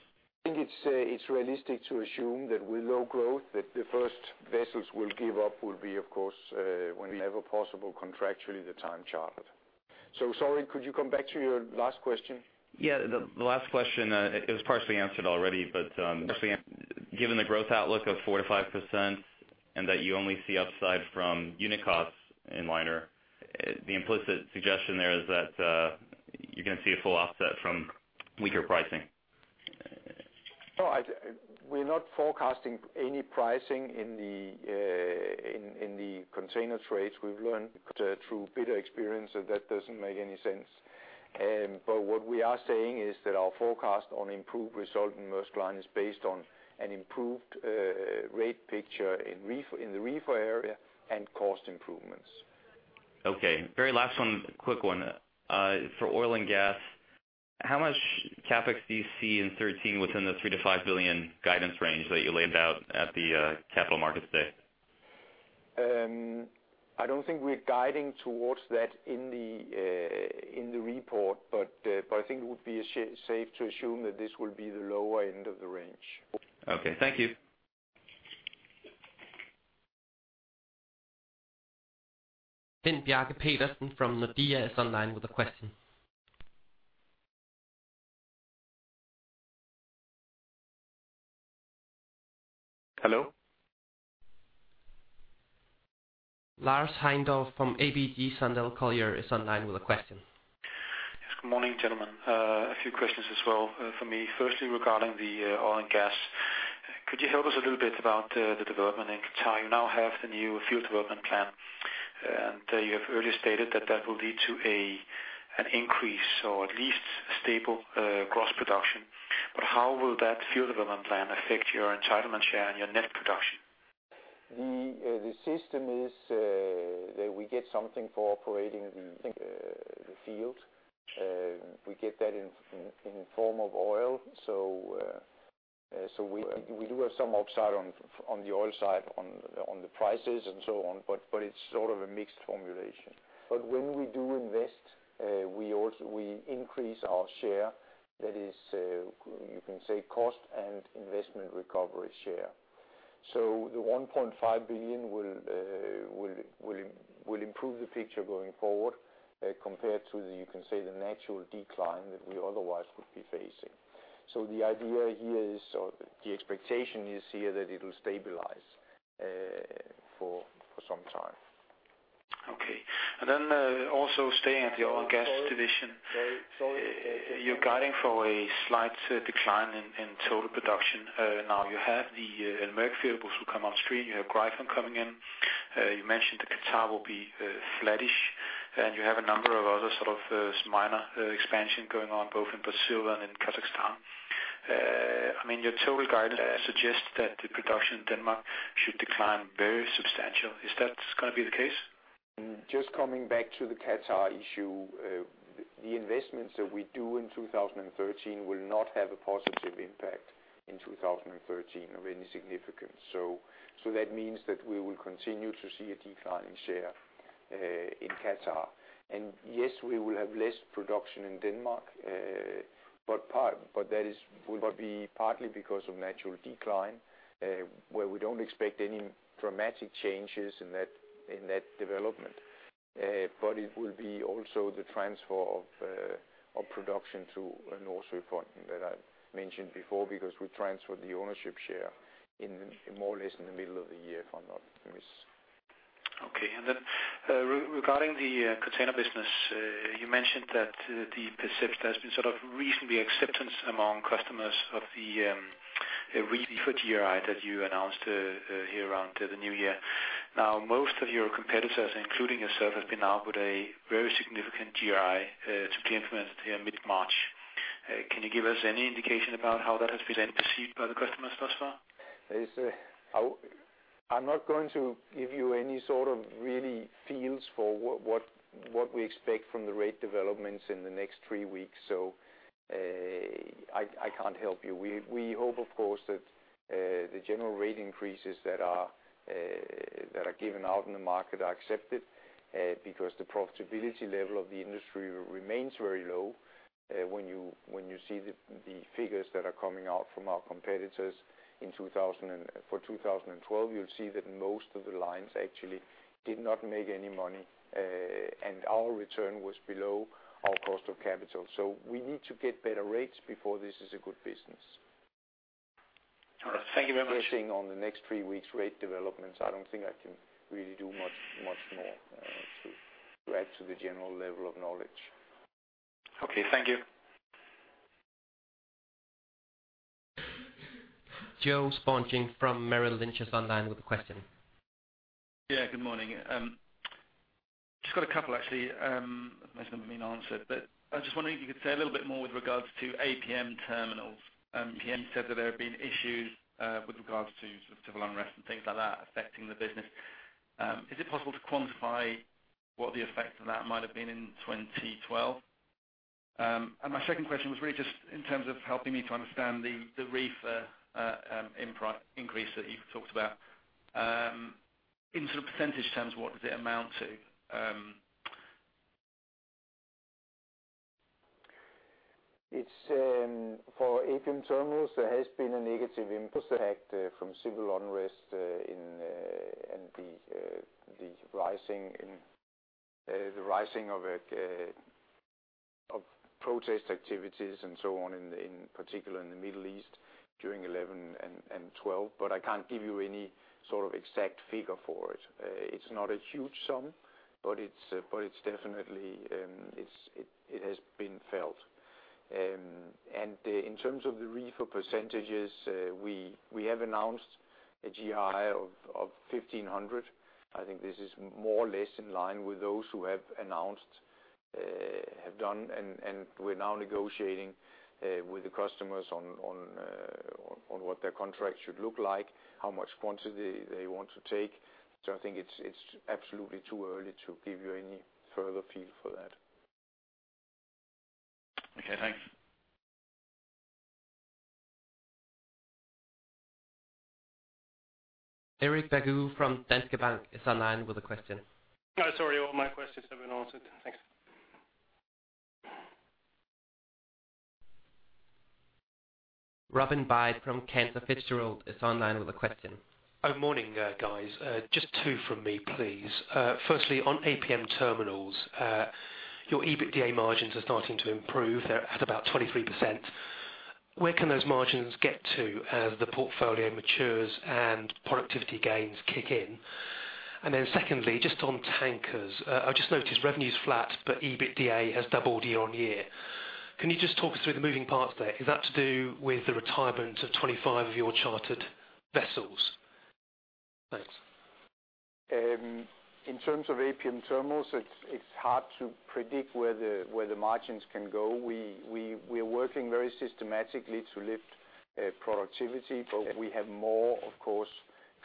I think it's realistic to assume that with low growth, that the first vessels we'll give up will be, of course, when we have a possible contractually the time charter. Sorry, could you come back to your last question? Yeah. The last question, it was partially answered already, but just given the growth outlook of 4%-5% and that you only see upside from unit costs in liner, the implicit suggestion there is that you're gonna see a full offset from weaker pricing. No, we're not forecasting any pricing in the container trades. We've learned through bitter experience that doesn't make any sense. What we are saying is that our forecast on improved result in Maersk Line is based on an improved rate picture in reefer, in the reefer area and cost improvements. Okay. Very last one, quick one. For oil and gas, how much CapEx do you see in 2013 within the $3 billion-$5 billion guidance range that you laid out at the Capital Markets Day? I don't think we're guiding towards that in the report, but I think it would be as safe to assume that this will be the lower end of the range. Okay. Thank you. Finn Bjarke Petersen from Nordea is online with a question. Hello? Lars Heindorff from ABG Sundal Collier is online with a question. Yes. Good morning, gentlemen. A few questions as well from me. Firstly, regarding the oil and gas. Could you help us a little bit about the development in Qatar? You now have the new field development plan, and you have earlier stated that will lead to an increase or at least stable gross production. But how will that field development plan affect your entitlement share and your net production? The system is that we get something for operating the field. We get that in form of oil. We do have some upside on the oil side, on the prices and so on, but it's sort of a mixed formulation. When we do invest, we also increase our share, that is, you can say cost and investment recovery share. The $1.5 billion will improve the picture going forward, compared to the natural decline that we otherwise would be facing. The idea here is, or the expectation is here that it'll stabilize for some time. Okay, also staying at the oil and gas division. Sorry. You're guiding for a slight decline in total production. Now you have the El Merk field, which will come on stream. You have Gryphon coming in. You mentioned that Qatar will be flattish, and you have a number of other sort of minor expansion going on both in Brazil and in Kazakhstan. I mean, your total guidance suggests that the production in Denmark should decline very substantial. Is that gonna be the case? Just coming back to the Qatar issue, the investments that we do in 2013 will not have a positive impact in 2013 of any significance. So that means that we will continue to see a decline in share in Qatar. Yes, we will have less production in Denmark. But that will be partly because of natural decline, where we don't expect any dramatic changes in that development. But it will also be the transfer of production to a North Sea front that I mentioned before, because we transferred the ownership share in, more or less in the middle of the year, if I'm not miss- Regarding the container business, you mentioned that the perception has been sort of recent acceptance among customers of the reefer GRI that you announced earlier around the new year. Now, most of your competitors, including yourself, have been out with a very significant GRI to be implemented in mid-March. Can you give us any indication about how that has been perceived by the customers thus far? I'm not going to give you any sort of real feel for what we expect from the rate developments in the next three weeks. I can't help you. We hope, of course, that the general rate increases that are given out in the market are accepted because the profitability level of the industry remains very low. When you see the figures that are coming out from our competitors for 2012, you'll see that most of the lines actually did not make any money. Our return was below our cost of capital. We need to get better rates before this is a good business. All right. Thank you very much. Pushing on the next three weeks rate developments, I don't think I can really do much more to add to the general level of knowledge. Okay. Thank you. Joe Sponging from Merrill Lynch is online with a question. Yeah. Good morning. Just got a couple actually, most of them have been answered. I was just wondering if you could say a little bit more with regards to APM Terminals. PM said that there have been issues with regards to civil unrest and things like that affecting the business. Is it possible to quantify what the effect of that might have been in 2012? My second question was really just in terms of helping me to understand the reefer increase that you've talked about. In sort of percentage terms, what does it amount to? It's for APM Terminals, there has been a negative impact from civil unrest in and the rising of protest activities and so on, in particular in the Middle East during 2011 and 2012. I can't give you any sort of exact figure for it. It's not a huge sum, but it's definitely it has been felt. In terms of the reefer percentages, we have announced a GRI of $1,500. I think this is more or less in line with those who have announced have done. We're now negotiating with the customers on what their contract should look like, how much quantity they want to take. I think it's absolutely too early to give you any further feel for that. Okay, thanks. Eirik from Danske Bank is online with a question. Sorry, all my questions have been answered. Thanks. Robin Byde from Cantor Fitzgerald is online with a question. Morning, guys. Just two from me, please. Firstly, on APM Terminals, your EBITDA margins are starting to improve. They're at about 23%. Where can those margins get to as the portfolio matures and productivity gains kick in? Secondly, just on tankers. I just noticed revenue's flat, but EBITDA has doubled year-on-year. Can you just talk us through the moving parts there? Is that to do with the retirement of 25 of your chartered vessels? Thanks. In terms of APM Terminals, it's hard to predict where the margins can go. We're working very systematically to lift productivity, but we have more, of course,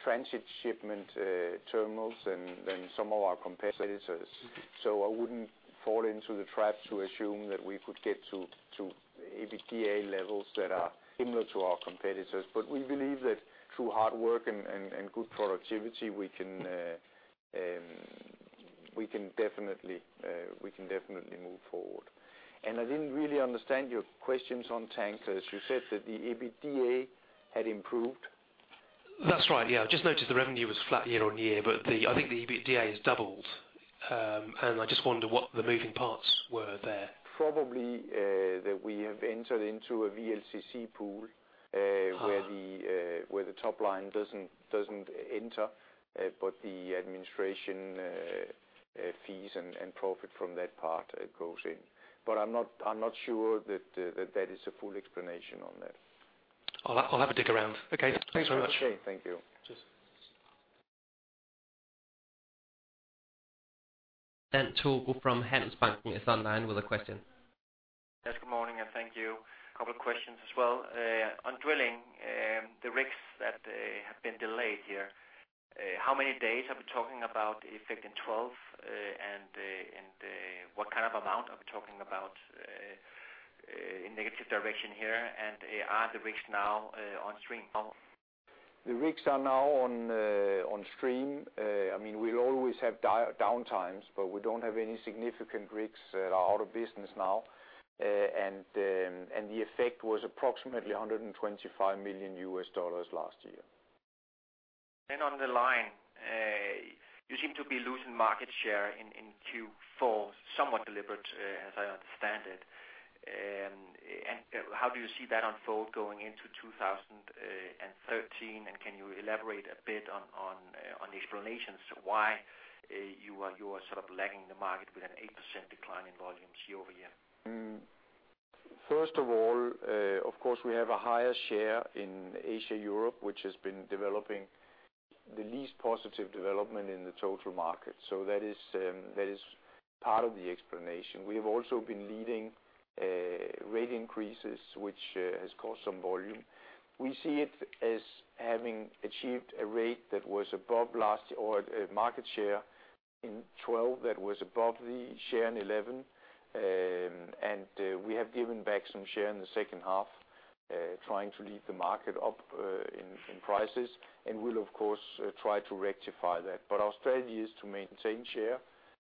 transshipment terminals than some of our competitors. I wouldn't fall into the trap to assume that we could get to EBITDA levels that are similar to our competitors. We believe that through hard work and good productivity, we can definitely move forward. I didn't really understand your questions on tankers. You said that the EBITDA had improved. That's right. Yeah. I just noticed the revenue was flat year-on-year, but the, I think the EBITDA has doubled. I just wonder what the moving parts were there. Probably, that we have entered into a VLCC pool. Uh-huh where the top line doesn't enter, but the administration fees and profit from that part goes in. I'm not sure that is a full explanation on that. I'll have a dig around. Okay. Thanks very much. Okay. Thank you. Frans Høyer from Handelsbanken is online with a question. Yes, good morning, and thank you. A couple of questions as well. On drilling, the rigs that have been delayed here, how many days are we talking about affecting 12? What kind of amount are we talking about in negative direction here? Are the rigs now on stream? The rigs are now on stream. I mean, we always have downtimes, but we don't have any significant rigs that are out of business now. The effect was approximately $125 million last year. On the line, you seem to be looking. You've lost market share in Q4, somewhat deliberate, as I understand it. How do you see that unfold going into 2013, and can you elaborate a bit on the explanations why you are sort of lagging the market with an 8% decline in volumes year-over-year? First of all, of course, we have a higher share in Asia-Europe, which has been developing the least positive development in the total market. That is part of the explanation. We have also been leading rate increases, which has caused some volume. We see it as having achieved a rate that was above last year's market share in 2012 that was above the share in 2011. We have given back some share in the second half, trying to lead the market up in prices, and we'll of course try to rectify that. Our strategy is to maintain share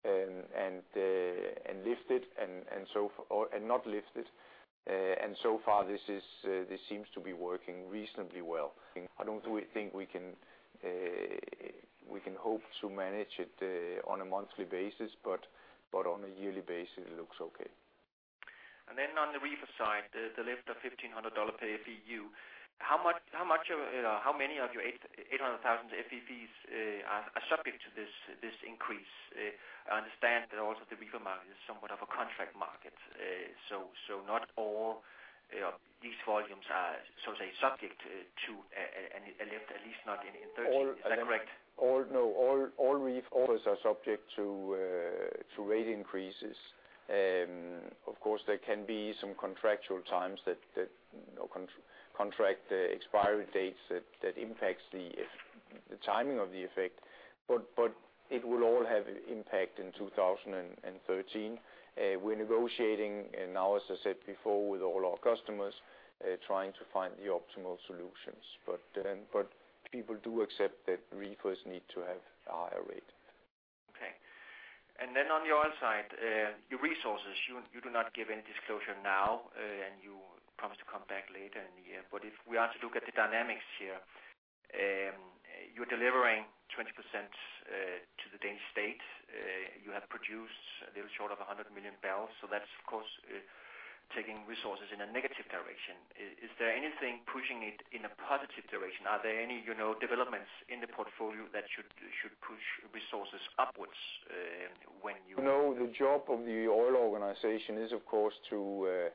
and lift it and not lift it. So far, this seems to be working reasonably well. I don't think we can hope to manage it on a monthly basis, but on a yearly basis it looks okay. On the reefer side, the lift of $1,500 per FEU, how much of how many of your 800,000 FFEs are subject to this increase? I understand that also the reefer market is somewhat of a contract market. So not all these volumes are so to say subject to a lift, at least not in 2013. Is that correct? All reefer orders are subject to rate increases. Of course, there can be some contractual terms that or contract expiry dates that impacts the timing of the effect. It will all have impact in 2013. We're negotiating right now, as I said before, with all our customers, trying to find the optimal solutions. People do accept that reefers need to have a higher rate. Okay. Then on the oil side, your resources, you do not give any disclosure now, and you promise to come back later in the year. If we are to look at the dynamics here, you're delivering 20% to the Danish state. You have produced a little short of 100 million bbl. That's of course taking resources in a negative direction. Is there anything pushing it in a positive direction? Are there any, you know, developments in the portfolio that should push resources upwards, when you- No, the job of the oil organization is of course to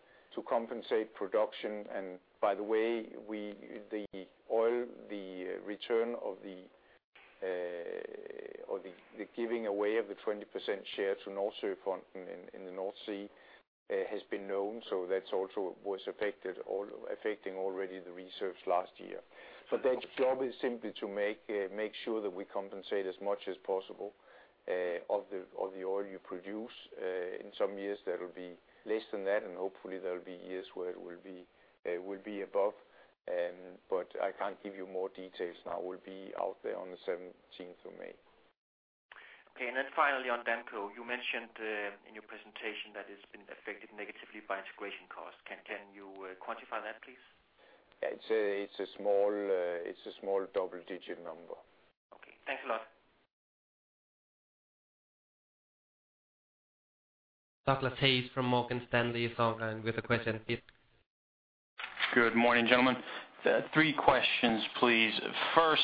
compensate production. By the way, the return or the giving away of the 20% share to Nordsøfonden in the North Sea has been known, so that also was affecting already the reserves last year. Their job is simply to make sure that we compensate as much as possible of the oil you produce. In some years, there will be less than that, and hopefully, there will be years where it will be above. I can't give you more details now. We'll be out there on the seventeenth of May. Okay. Finally on Damco, you mentioned in your presentation that it's been affected negatively by integration costs. Can you quantify that, please? It's a small double-digit number. Okay. Thanks a lot. Douglas Hayes from Morgan Stanley. We have a question. Yes. Good morning, gentlemen. Three questions, please. First,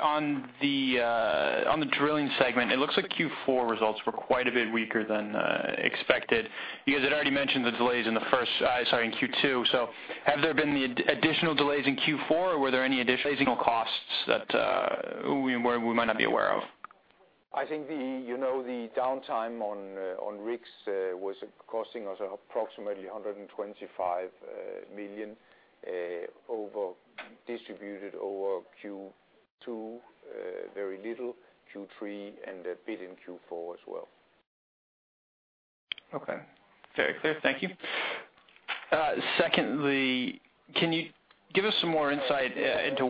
on the drilling segment, it looks like Q4 results were quite a bit weaker than expected. You guys had already mentioned the delays in Q2. Have there been any additional delays in Q4, or were there any additional costs that we might not be aware of? I think, you know, the downtime on rigs was costing us approximately $125 million, distributed over Q2, very little Q3, and a bit in Q4 as well. Okay. Very clear. Thank you. Secondly, can you give us some more insight into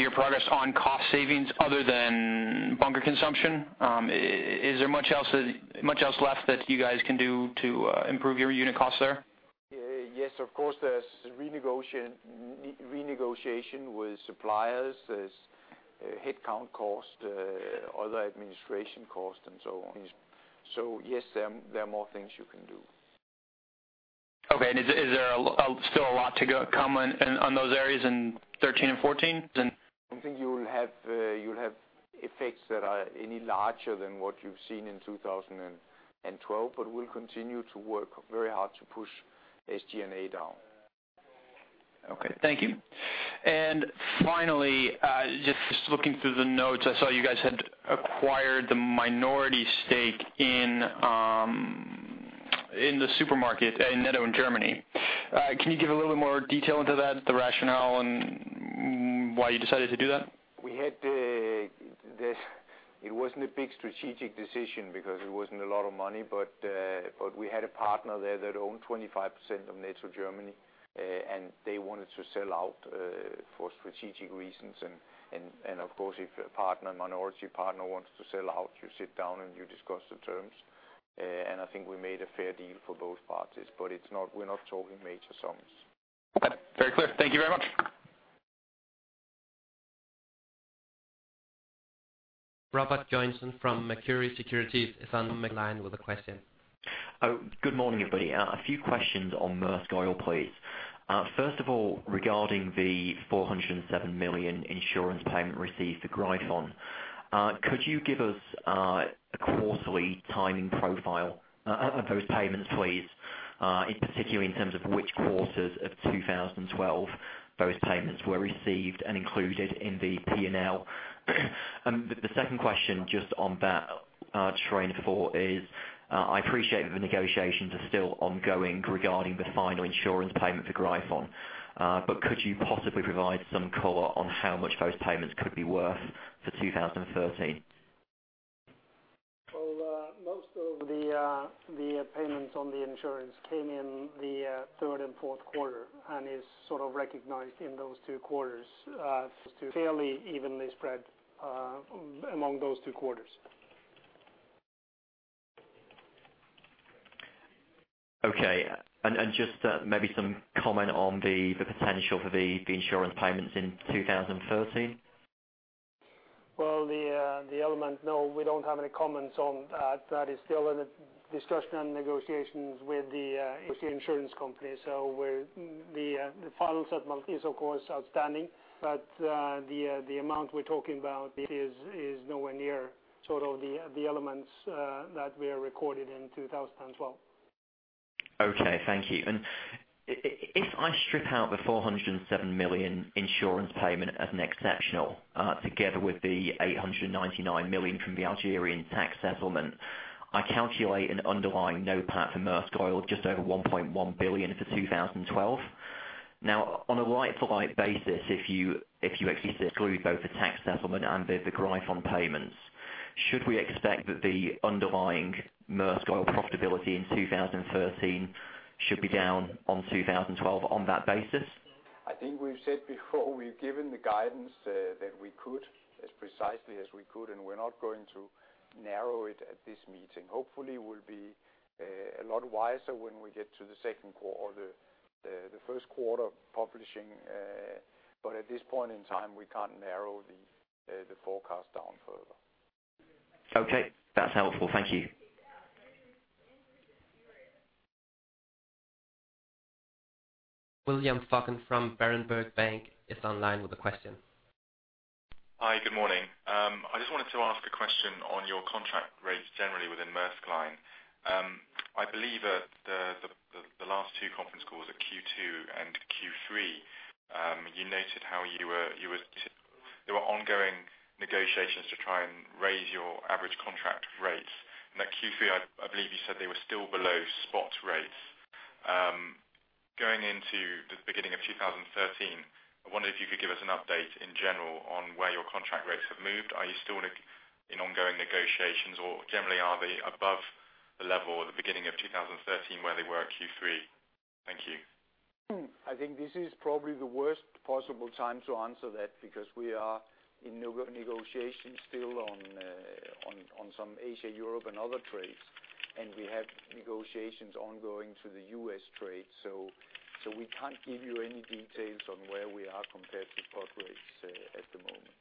your progress on cost savings other than bunker consumption? Is there much else left that you guys can do to improve your unit costs there? Yes, of course, there's renegotiation with suppliers. There's headcount cost, other administration costs, and so on. Yes, there are more things you can do. Okay. Is there still a lot to go on those areas in 13 and 14? I don't think you'll have effects that are any larger than what you've seen in 2012, but we'll continue to work very hard to push SG&A down. Okay. Thank you. Finally, just looking through the notes, I saw you guys had acquired the minority stake in the supermarket in Netto in Germany. Can you give a little more detail into that, the rationale and why you decided to do that? It wasn't a big strategic decision because it wasn't a lot of money. We had a partner there that owned 25% of Netto Germany, and they wanted to sell out for strategic reasons. Of course, if a partner, minority partner wants to sell out, you sit down and you discuss the terms. I think we made a fair deal for both parties, but it's not, we're not talking major sums. Very clear. Thank you very much. Robert Joynson from Macquarie Securities is on the line with a question. Good morning, everybody. A few questions on Maersk Oil, please. First of all, regarding the $407 million insurance payment received for Gryphon, could you give us a quarterly timing profile of those payments, please, in particular in terms of which quarters of 2012 those payments were received and included in the P&L? The second question just on that train of thought is, I appreciate that the negotiations are still ongoing regarding the final insurance payment for Gryphon, but could you possibly provide some color on how much those payments could be worth for 2013? Most of the payments on the insurance came in the third and fourth quarter and is sort of recognized in those two quarters. It's fairly evenly spread among those two quarters. Okay. Just maybe some comment on the potential for the insurance payments in 2013. Well, the element, no, we don't have any comments on that. That is still in discussion and negotiations with the insurance company. The final settlement is of course outstanding, but the amount we're talking about is nowhere near sort of the elements that we have recorded in 2012. Okay, thank you. If I strip out the $407 million insurance payment as an exceptional, together with the $899 million from the Algerian tax settlement, I calculate an underlying NOPAT for Maersk Oil just over $1.1 billion for 2012. Now, on a like-to-like basis, if you excluded both the tax settlement and the Gryphon payments, should we expect that the underlying Maersk Oil profitability in 2013 should be down on 2012 on that basis? I think we've said before, we've given the guidance, that we could, as precisely as we could, and we're not going to narrow it at this meeting. Hopefully, we'll be a lot wiser when we get to the second quarter or the first quarter publishing, but at this point in time, we can't narrow the forecast down further. Okay, that's helpful. Thank you. William Falcon from Berenberg Bank is online with a question. Hi, good morning. I just wanted to ask a question on your contract rates generally within Maersk Line. I believe that the last two conference calls at Q2 and Q3, you noted how there were ongoing negotiations to try and raise your average contract rates. At Q3, I believe you said they were still below spot rates. Going into the beginning of 2013, I wonder if you could give us an update in general on where your contract rates have moved. Are you still in ongoing negotiations, or generally are they above the level at the beginning of 2013, where they were at Q3? Thank you. I think this is probably the worst possible time to answer that because we are in negotiations still on some Asia, Europe and other trades, and we have negotiations ongoing to the US trade. We can't give you any details on where we are compared to spot rates at the moment.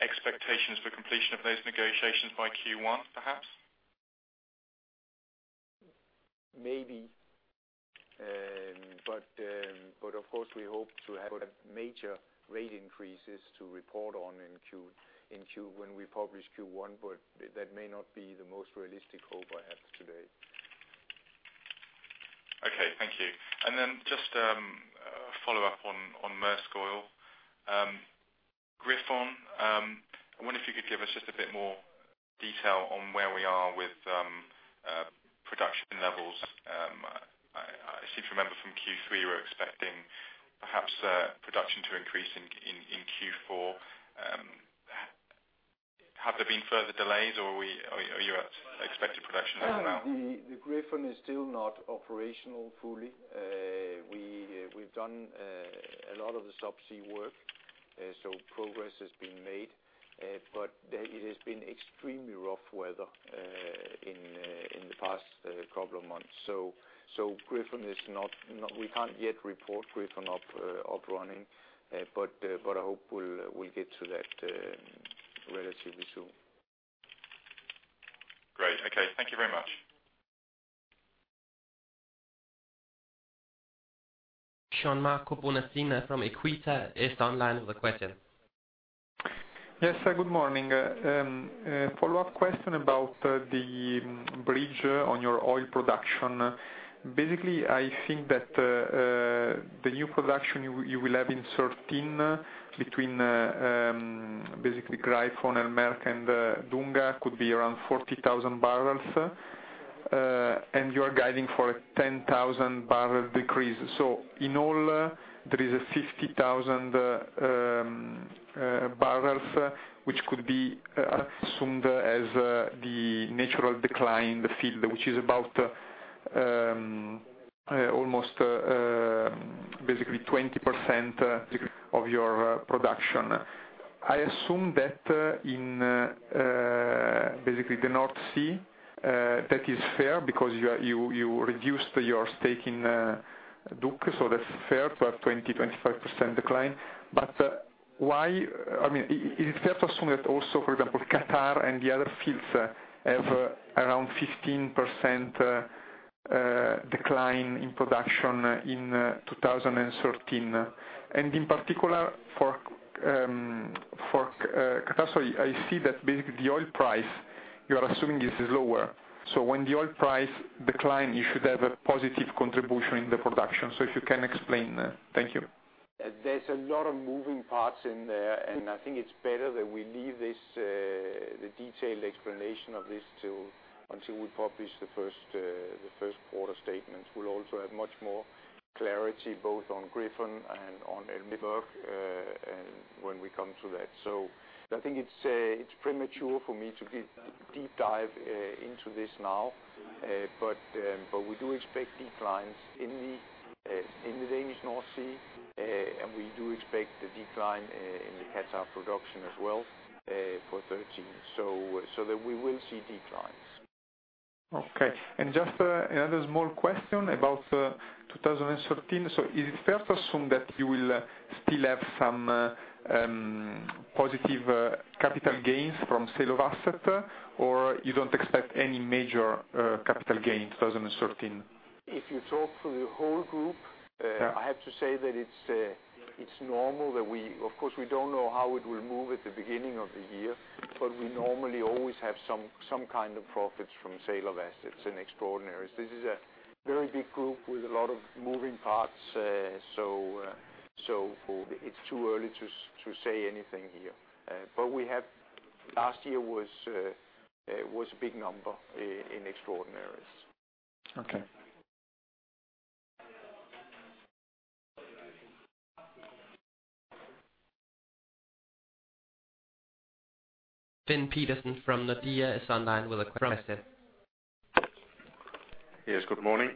Expectations for completion of those negotiations by Q1 perhaps? Maybe. Of course, we hope to have major rate increases to report on in Q1 when we publish Q1, but that may not be the most realistic hope I have today. Okay, thank you. Just a follow-up on Maersk Oil. Gryphon, I wonder if you could give us just a bit more detail on where we are with production levels. I seem to remember from Q3, we're expecting perhaps production to increase in Q4. Have there been further delays, or are you at expected production level now? The Gryphon is still not operational fully. We've done a lot of the subsea work, so progress has been made. It has been extremely rough weather in the past couple of months. We can't yet report Gryphon up and running. I hope we'll get to that relatively soon. Great. Okay. Thank you very much. Gianmarco Bonacina from Equita is online with a question. Yes. Good morning. A follow-up question about the bridge on your oil production. Basically, I think that the new production you will have between Gryphon and El Merk and Dunga could be around 40,000 bbl, and you are guiding for a 10,000 barrel decrease. In all, there is a 50,000 bbl which could be assumed as the natural decline in the field, which is about almost basically 20% of your production. I assume that in basically the North Sea that is fair because you reduced your stake in DUC, so that's fair to have 20%-25% decline. Why, I mean, is it fair to assume that also, for example, Qatar and the other fields have around 15% decline in production in 2013? In particular for Qatar, I see that basically the oil price you are assuming is lower. When the oil price decline, you should have a positive contribution in the production. If you can explain that. Thank you. There's a lot of moving parts in there, and I think it's better that we leave this the detailed explanation of this until we publish the first quarter statements. We'll also have much more clarity both on Gryphon and on El Merk, and when we come to that. I think it's premature for me to give deep dive into this now. We do expect declines in the Danish North Sea. We do expect the decline in the Qatar production as well, for 2013, that we will see declines. Okay. Just another small question about 2013. Is it fair to assume that you will still have some positive capital gains from sale of asset, or you don't expect any major capital gains, 2013? If you talk to the whole group, I have to say that it's normal. Of course, we don't know how it will move at the beginning of the year, but we normally always have some kind of profits from sale of assets and extraordinaries. This is a very big group with a lot of moving parts. So it's too early to say anything here. But last year was a big number in extraordinaries. Okay. Finn Petersen from Nordea is online with a question. Yes, good morning.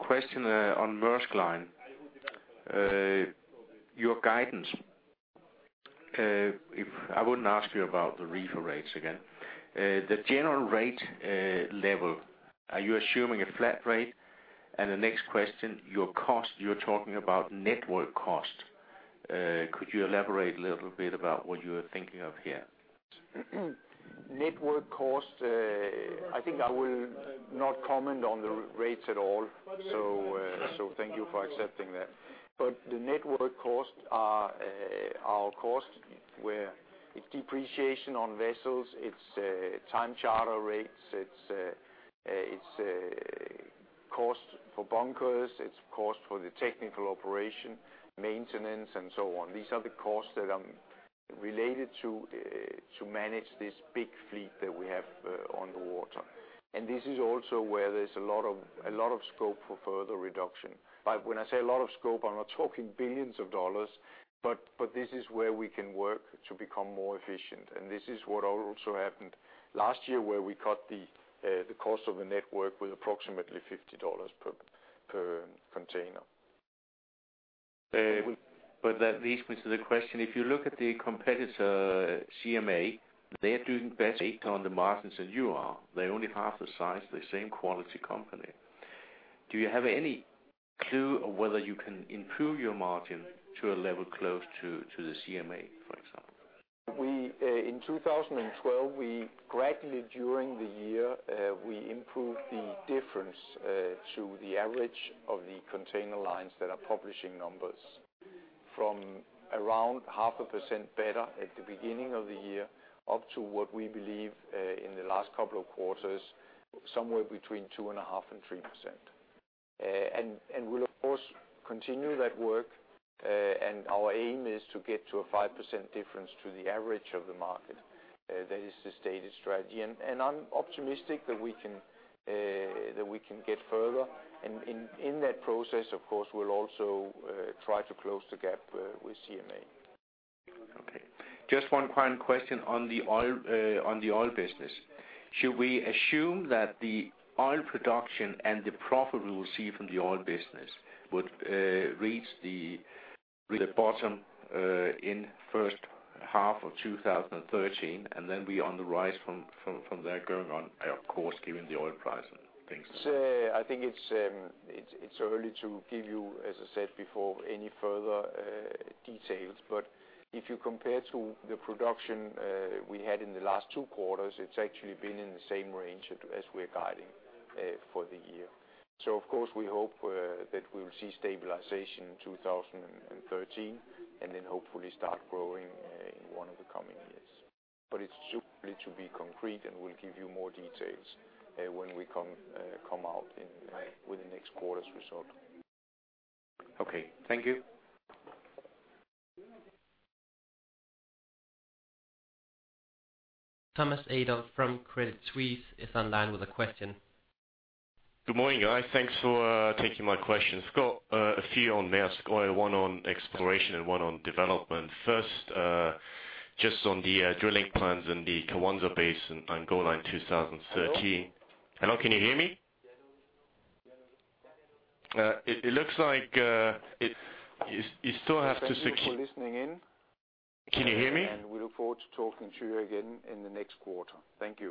Question on Maersk Line. Your guidance, if I wouldn't ask you about the reefer rates again. The general rate level, are you assuming a flat rate? The next question, your cost. You're talking about network cost. Could you elaborate a little bit about what you are thinking of here? Network cost, I think I will not comment on the rates at all. Thank you for accepting that. The network costs are costs where it's depreciation on vessels, it's time charter rates, it's cost for bunkers, it's cost for the technical operation, maintenance and so on. These are the costs that I'm related to manage this big fleet that we have on the water. This is also where there's a lot of scope for further reduction. When I say a lot of scope, I'm not talking billions of dollars. This is where we can work to become more efficient. This is what also happened last year, where we cut the cost of the network with approximately $50 per container. That leads me to the question, if you look at the competitor CMA, they're doing better on the margins than you are. They're only half the size, the same quality company. Do you have any clue of whether you can improve your margin to a level close to the CMA, for example? In 2012, we gradually during the year improved the difference to the average of the container lines that are publishing numbers from around 0.5% better at the beginning of the year, up to what we believe in the last couple of quarters, somewhere between 2.5% and 3%. We'll of course continue that work. Our aim is to get to a 5% difference to the average of the market. That is the stated strategy, and I'm optimistic that we can get further. In that process, of course, we'll also try to close the gap with CMA. Okay. Just one final question on the oil business. Should we assume that the oil production and the profit we will see from the oil business would reach the bottom in first half of 2013, and then be on the rise from there going on, of course, given the oil price and things? It's early to give you, as I said before, any further details. If you compare to the production we had in the last two quarters, it's actually been in the same range as we're guiding for the year. Of course we hope that we'll see stabilization in 2013 and then hopefully start growing in one of the coming years. It's too early to be concrete, and we'll give you more details when we come out with the next quarter's result. Okay. Thank you. Thomas Adolff from Credit Suisse is online with a question. Good morning, guys. Thanks for taking my questions. Got a few on Maersk Oil, one on exploration and one on development. First, just on the drilling plans in the Kwanza Basin, Angola 2013. Hello, can you hear me? It looks like you still have to- Thank you for listening in. Can you hear me? We look forward to talking to you again in the next quarter. Thank you.